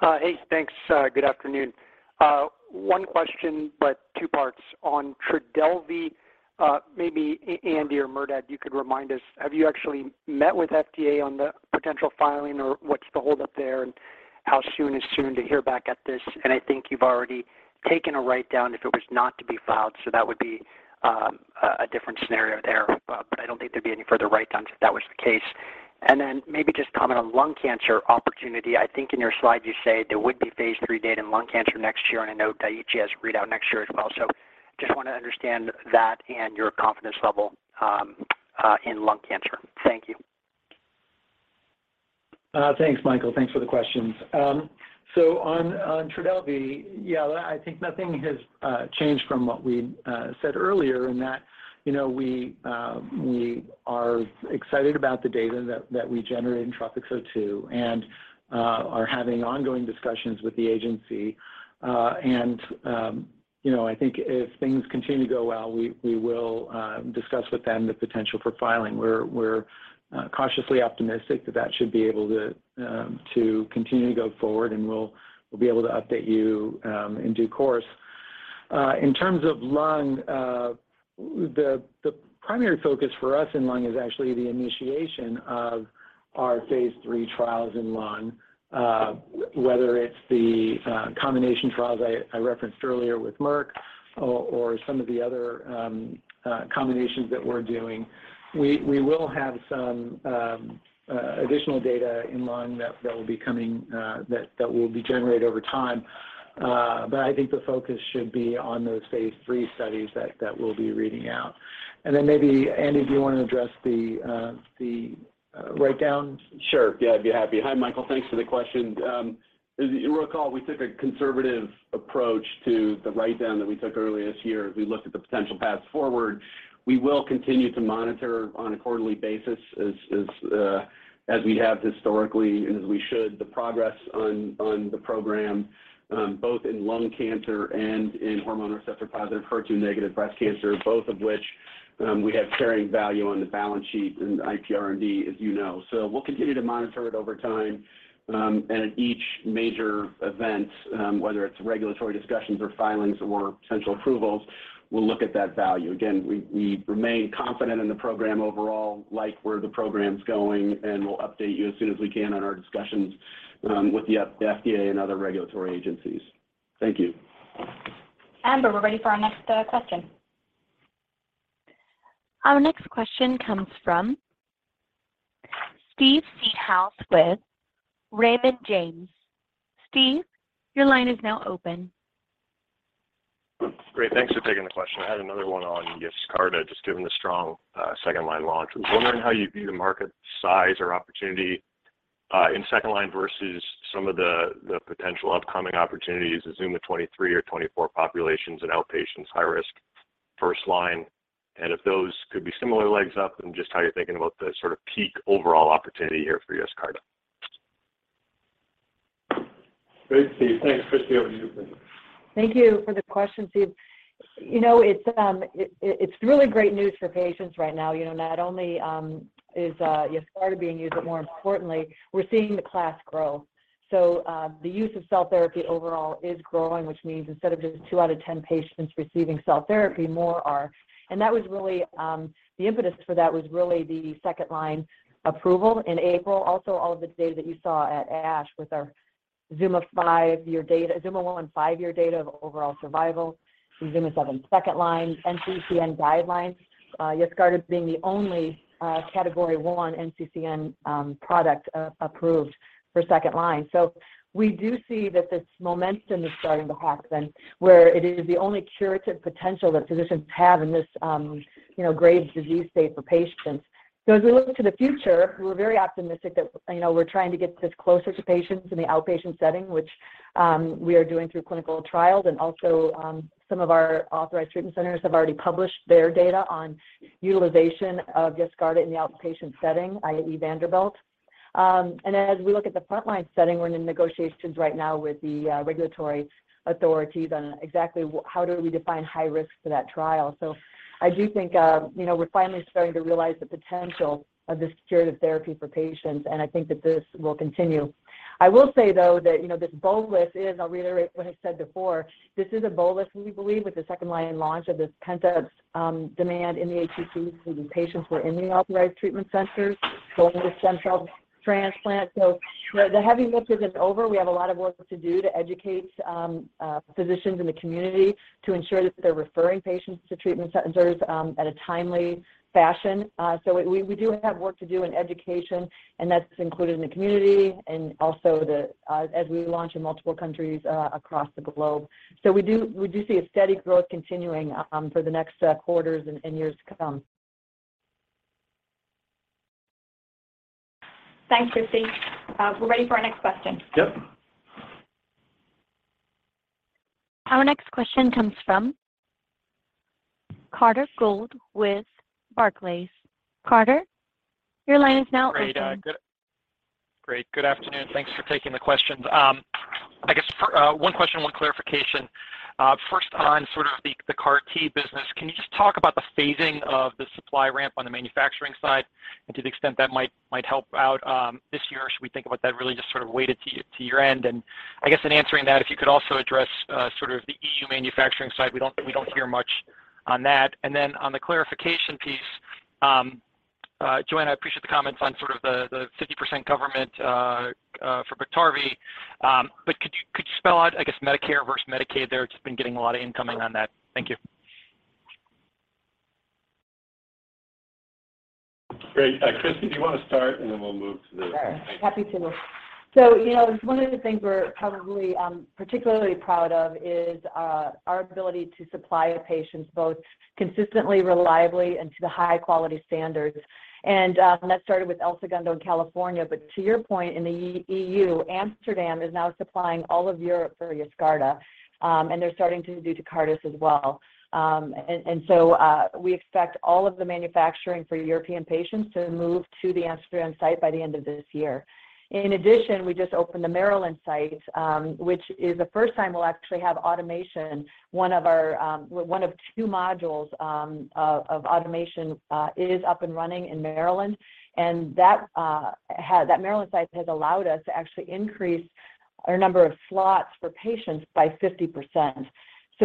Hey, thanks. Good afternoon. One question but two parts. On Trodelvy, maybe Andy or Merdad, you could remind us, have you actually met with FDA on the potential filing or what's the hold-up there and how soon is soon to hear back at this? I think you've already taken a write-down if it was not to be filed, so that would be a different scenario there. But I don't think there'd be any further write-downs if that was the case. Then maybe just comment on lung cancer opportunity. I think in your slide you say there would be phase 3 data in lung cancer next year, and I note Arcus has a readout next year as well. Just wanna understand that and your confidence level in lung cancer. Thank you. Thanks, Michael. Thanks for the questions. On Trodelvy, yeah, I think nothing has changed from what we said earlier in that, you know, we are excited about the data that we generated in TROPHY-02 and are having ongoing discussions with the agency. I think if things continue to go well, we will discuss with them the potential for filing. We're cautiously optimistic that that should be able to continue to go forward, and we'll be able to update you in due course. In terms of lung, the primary focus for us in lung is actually the initiation of our phase 3 trials in lung, whether it's the combination trials I referenced earlier with Merck or some of the other combinations that we're doing. We will have some additional data in lung that will be generated over time. I think the focus should be on those phase 3 studies that we'll be reading out. Maybe, Andy, do you wanna address the write-downs? Sure. Yeah, I'd be happy. Hi, Michael. Thanks for the question. As you recall, we took a conservative approach to the write-down that we took earlier this year as we looked at the potential paths forward. We will continue to monitor on a quarterly basis as we have historically and as we should, the progress on the program, both in lung cancer and in hormone receptor-positive, HER2 negative breast cancer, both of which we have carrying value on the balance sheet in IPR&D, as you know. We'll continue to monitor it over time, and at each major event, whether it's regulatory discussions or filings or potential approvals, we'll look at that value. Again, we remain confident in the program overall, like where the program's going, and we'll update you as soon as we can on our discussions with the FDA and other regulatory agencies. Thank you. Amber, we're ready for our next question. Our next question comes from Steve Seedhouse with Raymond James. Steve, your line is now open. Great. Thanks for taking the question. I had another one on Yescarta, just given the strong second line launch. I was wondering how you view the market size or opportunity in second line versus some of the potential upcoming opportunities, the ZUMA-23 or 24 populations in outpatient high-risk first line, and if those could be similar leg up and just how you're thinking about the sort of peak overall opportunity here for Yescarta. Great, Steve. Thanks. Christi, over to you, please. Thank you for the question, Steve. You know, it's really great news for patients right now. You know, not only is Yescarta being used, but more importantly, we're seeing the class grow. The use of cell therapy overall is growing, which means instead of just two out of 10 patients receiving cell therapy, more are. That was really the impetus for the second line approval in April. Also, all of the data that you saw at ASH with our ZUMA-1 5-year data of overall survival, the ZUMA-7 second line NCCN guidelines, Yescarta as being the only category 1 NCCN product approved for second line. We do see that this momentum is starting to happen where it is the only curative potential that physicians have in this, you know, grave disease state for patients. As we look to the future, we're very optimistic that, you know, we're trying to get this closer to patients in the outpatient setting, which we are doing through clinical trials and also, some of our authorized treatment centers have already published their data on utilization of Yescarta in the outpatient setting, i.e., Vanderbilt. As we look at the frontline setting, we're in negotiations right now with the regulatory authorities on exactly how do we define high risk for that trial. I do think, you know, we're finally starting to realize the potential of this curative therapy for patients, and I think that this will continue. I will say, though, that, you know, this bolus is, I'll reiterate what I said before, this is a bolus, we believe, with the second line launch of this pent-up demand in the HCCs for the patients who are in the authorized treatment centers going to stem cell transplant. The heavy lift isn't over. We have a lot of work to do to educate physicians in the community to ensure that they're referring patients to treatment centers in a timely fashion. We do have work to do in education, and that's included in the community and also as we launch in multiple countries across the globe. We do see a steady growth continuing for the next quarters and years to come. Thanks, Christi. We're ready for our next question. Yep. Our next question comes from Carter Gould with Barclays. Carter, your line is now open. Good afternoon. Thanks for taking the questions. I guess one question, one clarification. First on sort of the CAR T business, can you just talk about the phasing of the supply ramp on the manufacturing side and to the extent that might help out this year? Should we think about that really just sort of weighted to your end? And I guess in answering that, if you could also address sort of the EU manufacturing side. We don't hear much on that. And then on the clarification piece, Johanna, I appreciate the comments on sort of the 50% government for Biktarvy, but could you spell out, I guess, Medicare versus Medicaid there? Just been getting a lot of incoming on that. Thank you. Great. Christi, do you want to start, and then we'll move to the- Sure. Happy to. You know, one of the things we're kind of really particularly proud of is our ability to supply patients both consistently, reliably, and to the high quality standards. That started with El Segundo in California. To your point, in the EU, Amsterdam is now supplying all of Europe for Yescarta, and they're starting to do Tecartus as well. We expect all of the manufacturing for European patients to move to the Amsterdam site by the end of this year. In addition, we just opened the Maryland site, which is the first time we'll actually have automation. One of two modules of automation is up and running in Maryland. That Maryland site has allowed us to actually increase our number of slots for patients by 50%.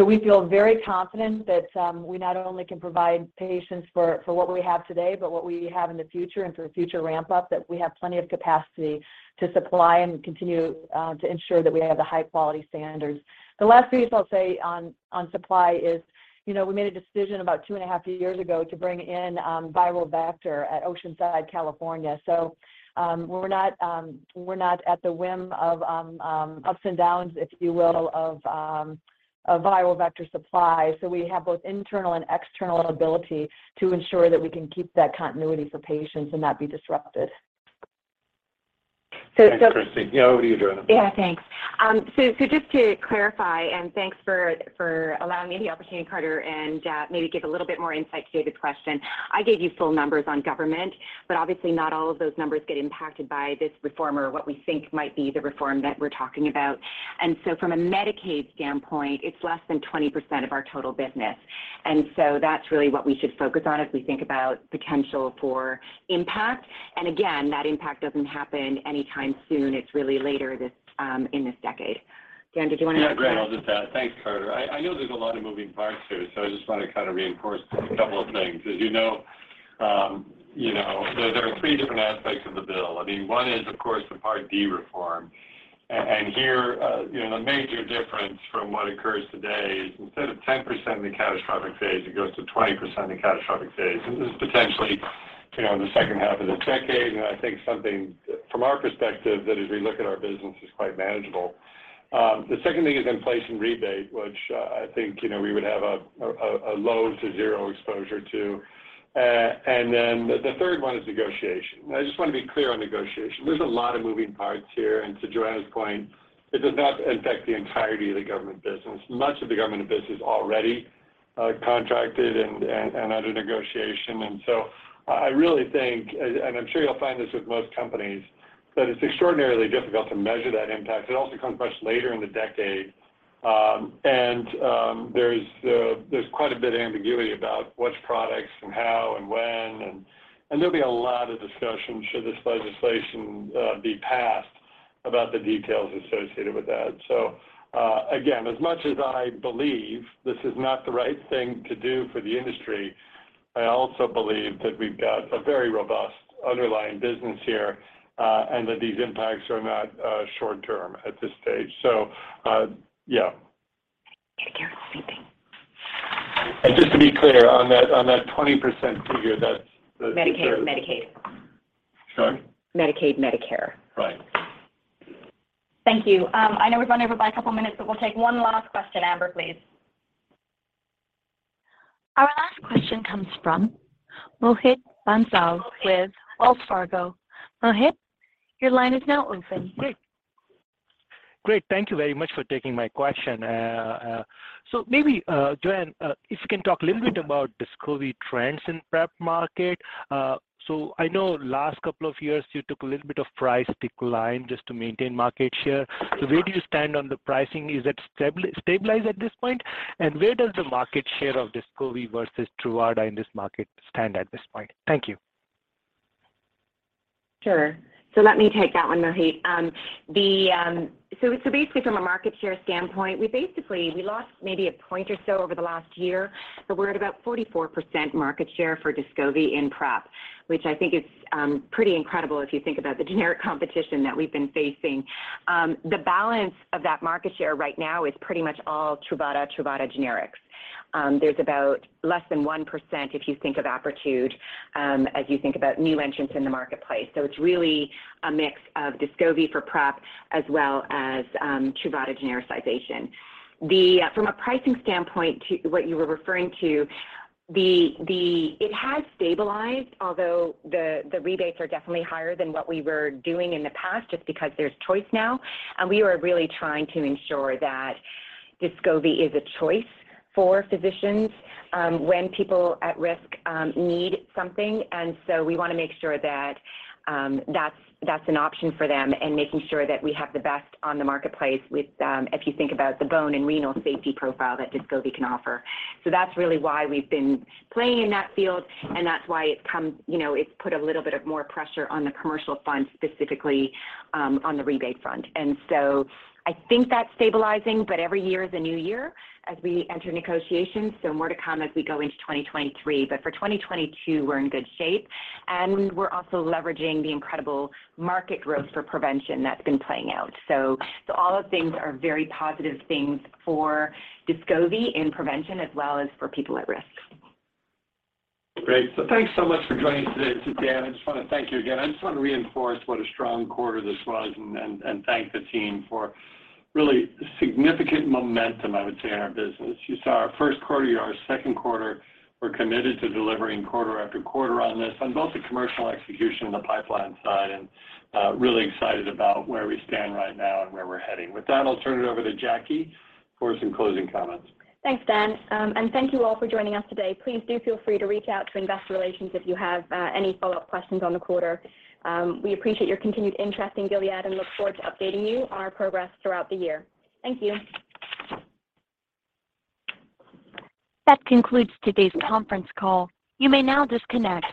We feel very confident that we not only can provide patients for what we have today, but what we have in the future and for the future ramp-up, that we have plenty of capacity to supply and continue to ensure that we have the high quality standards. The last piece I'll say on supply is, you know, we made a decision about 2.5 years ago to bring in viral vector at Oceanside, California. We're not at the whim of ups and downs, if you will, of a viral vector supply. We have both internal and external ability to ensure that we can keep that continuity for patients and not be disrupted. Thanks, Christi. Yeah. Over to you, Johanna. Yeah. Thanks. Just to clarify, and thanks for allowing me the opportunity, Carter, and maybe give a little bit more insight to David's question. I gave you full numbers on government, but obviously not all of those numbers get impacted by this reform or what we think might be the reform that we're talking about. From a Medicaid standpoint, it's less than 20% of our total business. That's really what we should focus on as we think about potential for impact. Again, that impact doesn't happen anytime soon. It's really later in this decade. Dan, did you want to add? Yeah. Great. I'll just add. Thanks, Carter. I know there's a lot of moving parts here, so I just want to kind of reinforce a couple of things. As you know, there are three different aspects of the bill. I mean, one is, of course, the Part D reform. Here, you know, the major difference from what occurs today is instead of 10% of the catastrophic phase, it goes to 20% of the catastrophic phase. This in the second half of the decade. I think something from our perspective that as we look at our business is quite manageable. The second thing is inflation rebate, which, I think, you know, we would have a low to zero exposure to. The third one is negotiation. I just wanna be clear on negotiation. There's a lot of moving parts here, and to Johanna's point, it does not impact the entirety of the government business. Much of the government business is already contracted and under negotiation. I really think, and I'm sure you'll find this with most companies, that it's extraordinarily difficult to measure that impact. It also comes much later in the decade. There's quite a bit of ambiguity about which products and how and when and there'll be a lot of discussion should this legislation be passed about the details associated with that. Again, as much as I believe this is not the right thing to do for the industry, I also believe that we've got a very robust underlying business here, and that these impacts are not short-term at this stage. Yeah. Just to be clear, on that 20% figure, that's the Medicaid, Medicare. Sorry? Medicaid, Medicare. Right. Thank you. I know we've run over by a couple minutes, but we'll take one last question. Amber, please. Our last question comes from Mohit Bansal with Wells Fargo. Mohit, your line is now open. Great. Great, thank you very much for taking my question. Maybe, Johanna, if you can talk a little bit about Descovy trends in PrEP market. I know last couple of years you took a little bit of price decline just to maintain market share. Where do you stand on the pricing? Is it stabilized at this point? And where does the market share of Descovy versus Truvada in this market stand at this point? Thank you. Sure. Let me take that one, Mohit. Basically from a market share standpoint, we lost maybe a point or so over the last year, but we're at about 44% market share for Descovy in PrEP, which I think is pretty incredible if you think about the generic competition that we've been facing. The balance of that market share right now is pretty much all Truvada generics. There's about less than 1% if you think of Apretude as you think about new entrants in the marketplace. It's really a mix of Descovy for PrEP as well as Truvada genericization. From a pricing standpoint to what you were referring to. It has stabilized, although the rebates are definitely higher than what we were doing in the past, just because there's choice now, and we are really trying to ensure that Descovy is a choice for physicians when people at risk need something. We wanna make sure that that's an option for them and making sure that we have the best on the marketplace if you think about the bone and renal safety profile that Descovy can offer. That's really why we've been playing in that field, and that's why it comes, you know, it's put a little bit of more pressure on the commercial front, specifically on the rebate front. I think that's stabilizing, but every year is a new year as we enter negotiations. More to come as we go into 2023. For 2022, we're in good shape, and we're also leveraging the incredible market growth for prevention that's been playing out. So all the things are very positive things for Descovy in prevention as well as for people at risk. Great. Thanks so much for joining us today. Dan, I just wanna thank you again. I just wanna reinforce what a strong quarter this was and thank the team for really significant momentum, I would say, in our business. You saw our Q1 here, our Q2 We're committed to delivering quarter after quarter on this both the commercial execution and the pipeline side, and really excited about where we stand right now and where we're heading. With that, I'll turn it over to Jackie for some closing comments. Thanks, Dan. Thank you all for joining us today. Please do feel free to reach out to Investor Relations if you have any follow-up questions on the quarter. We appreciate your continued interest in Gilead and look forward to updating you on our progress throughout the year. Thank you. That concludes today's conference call. You may now disconnect.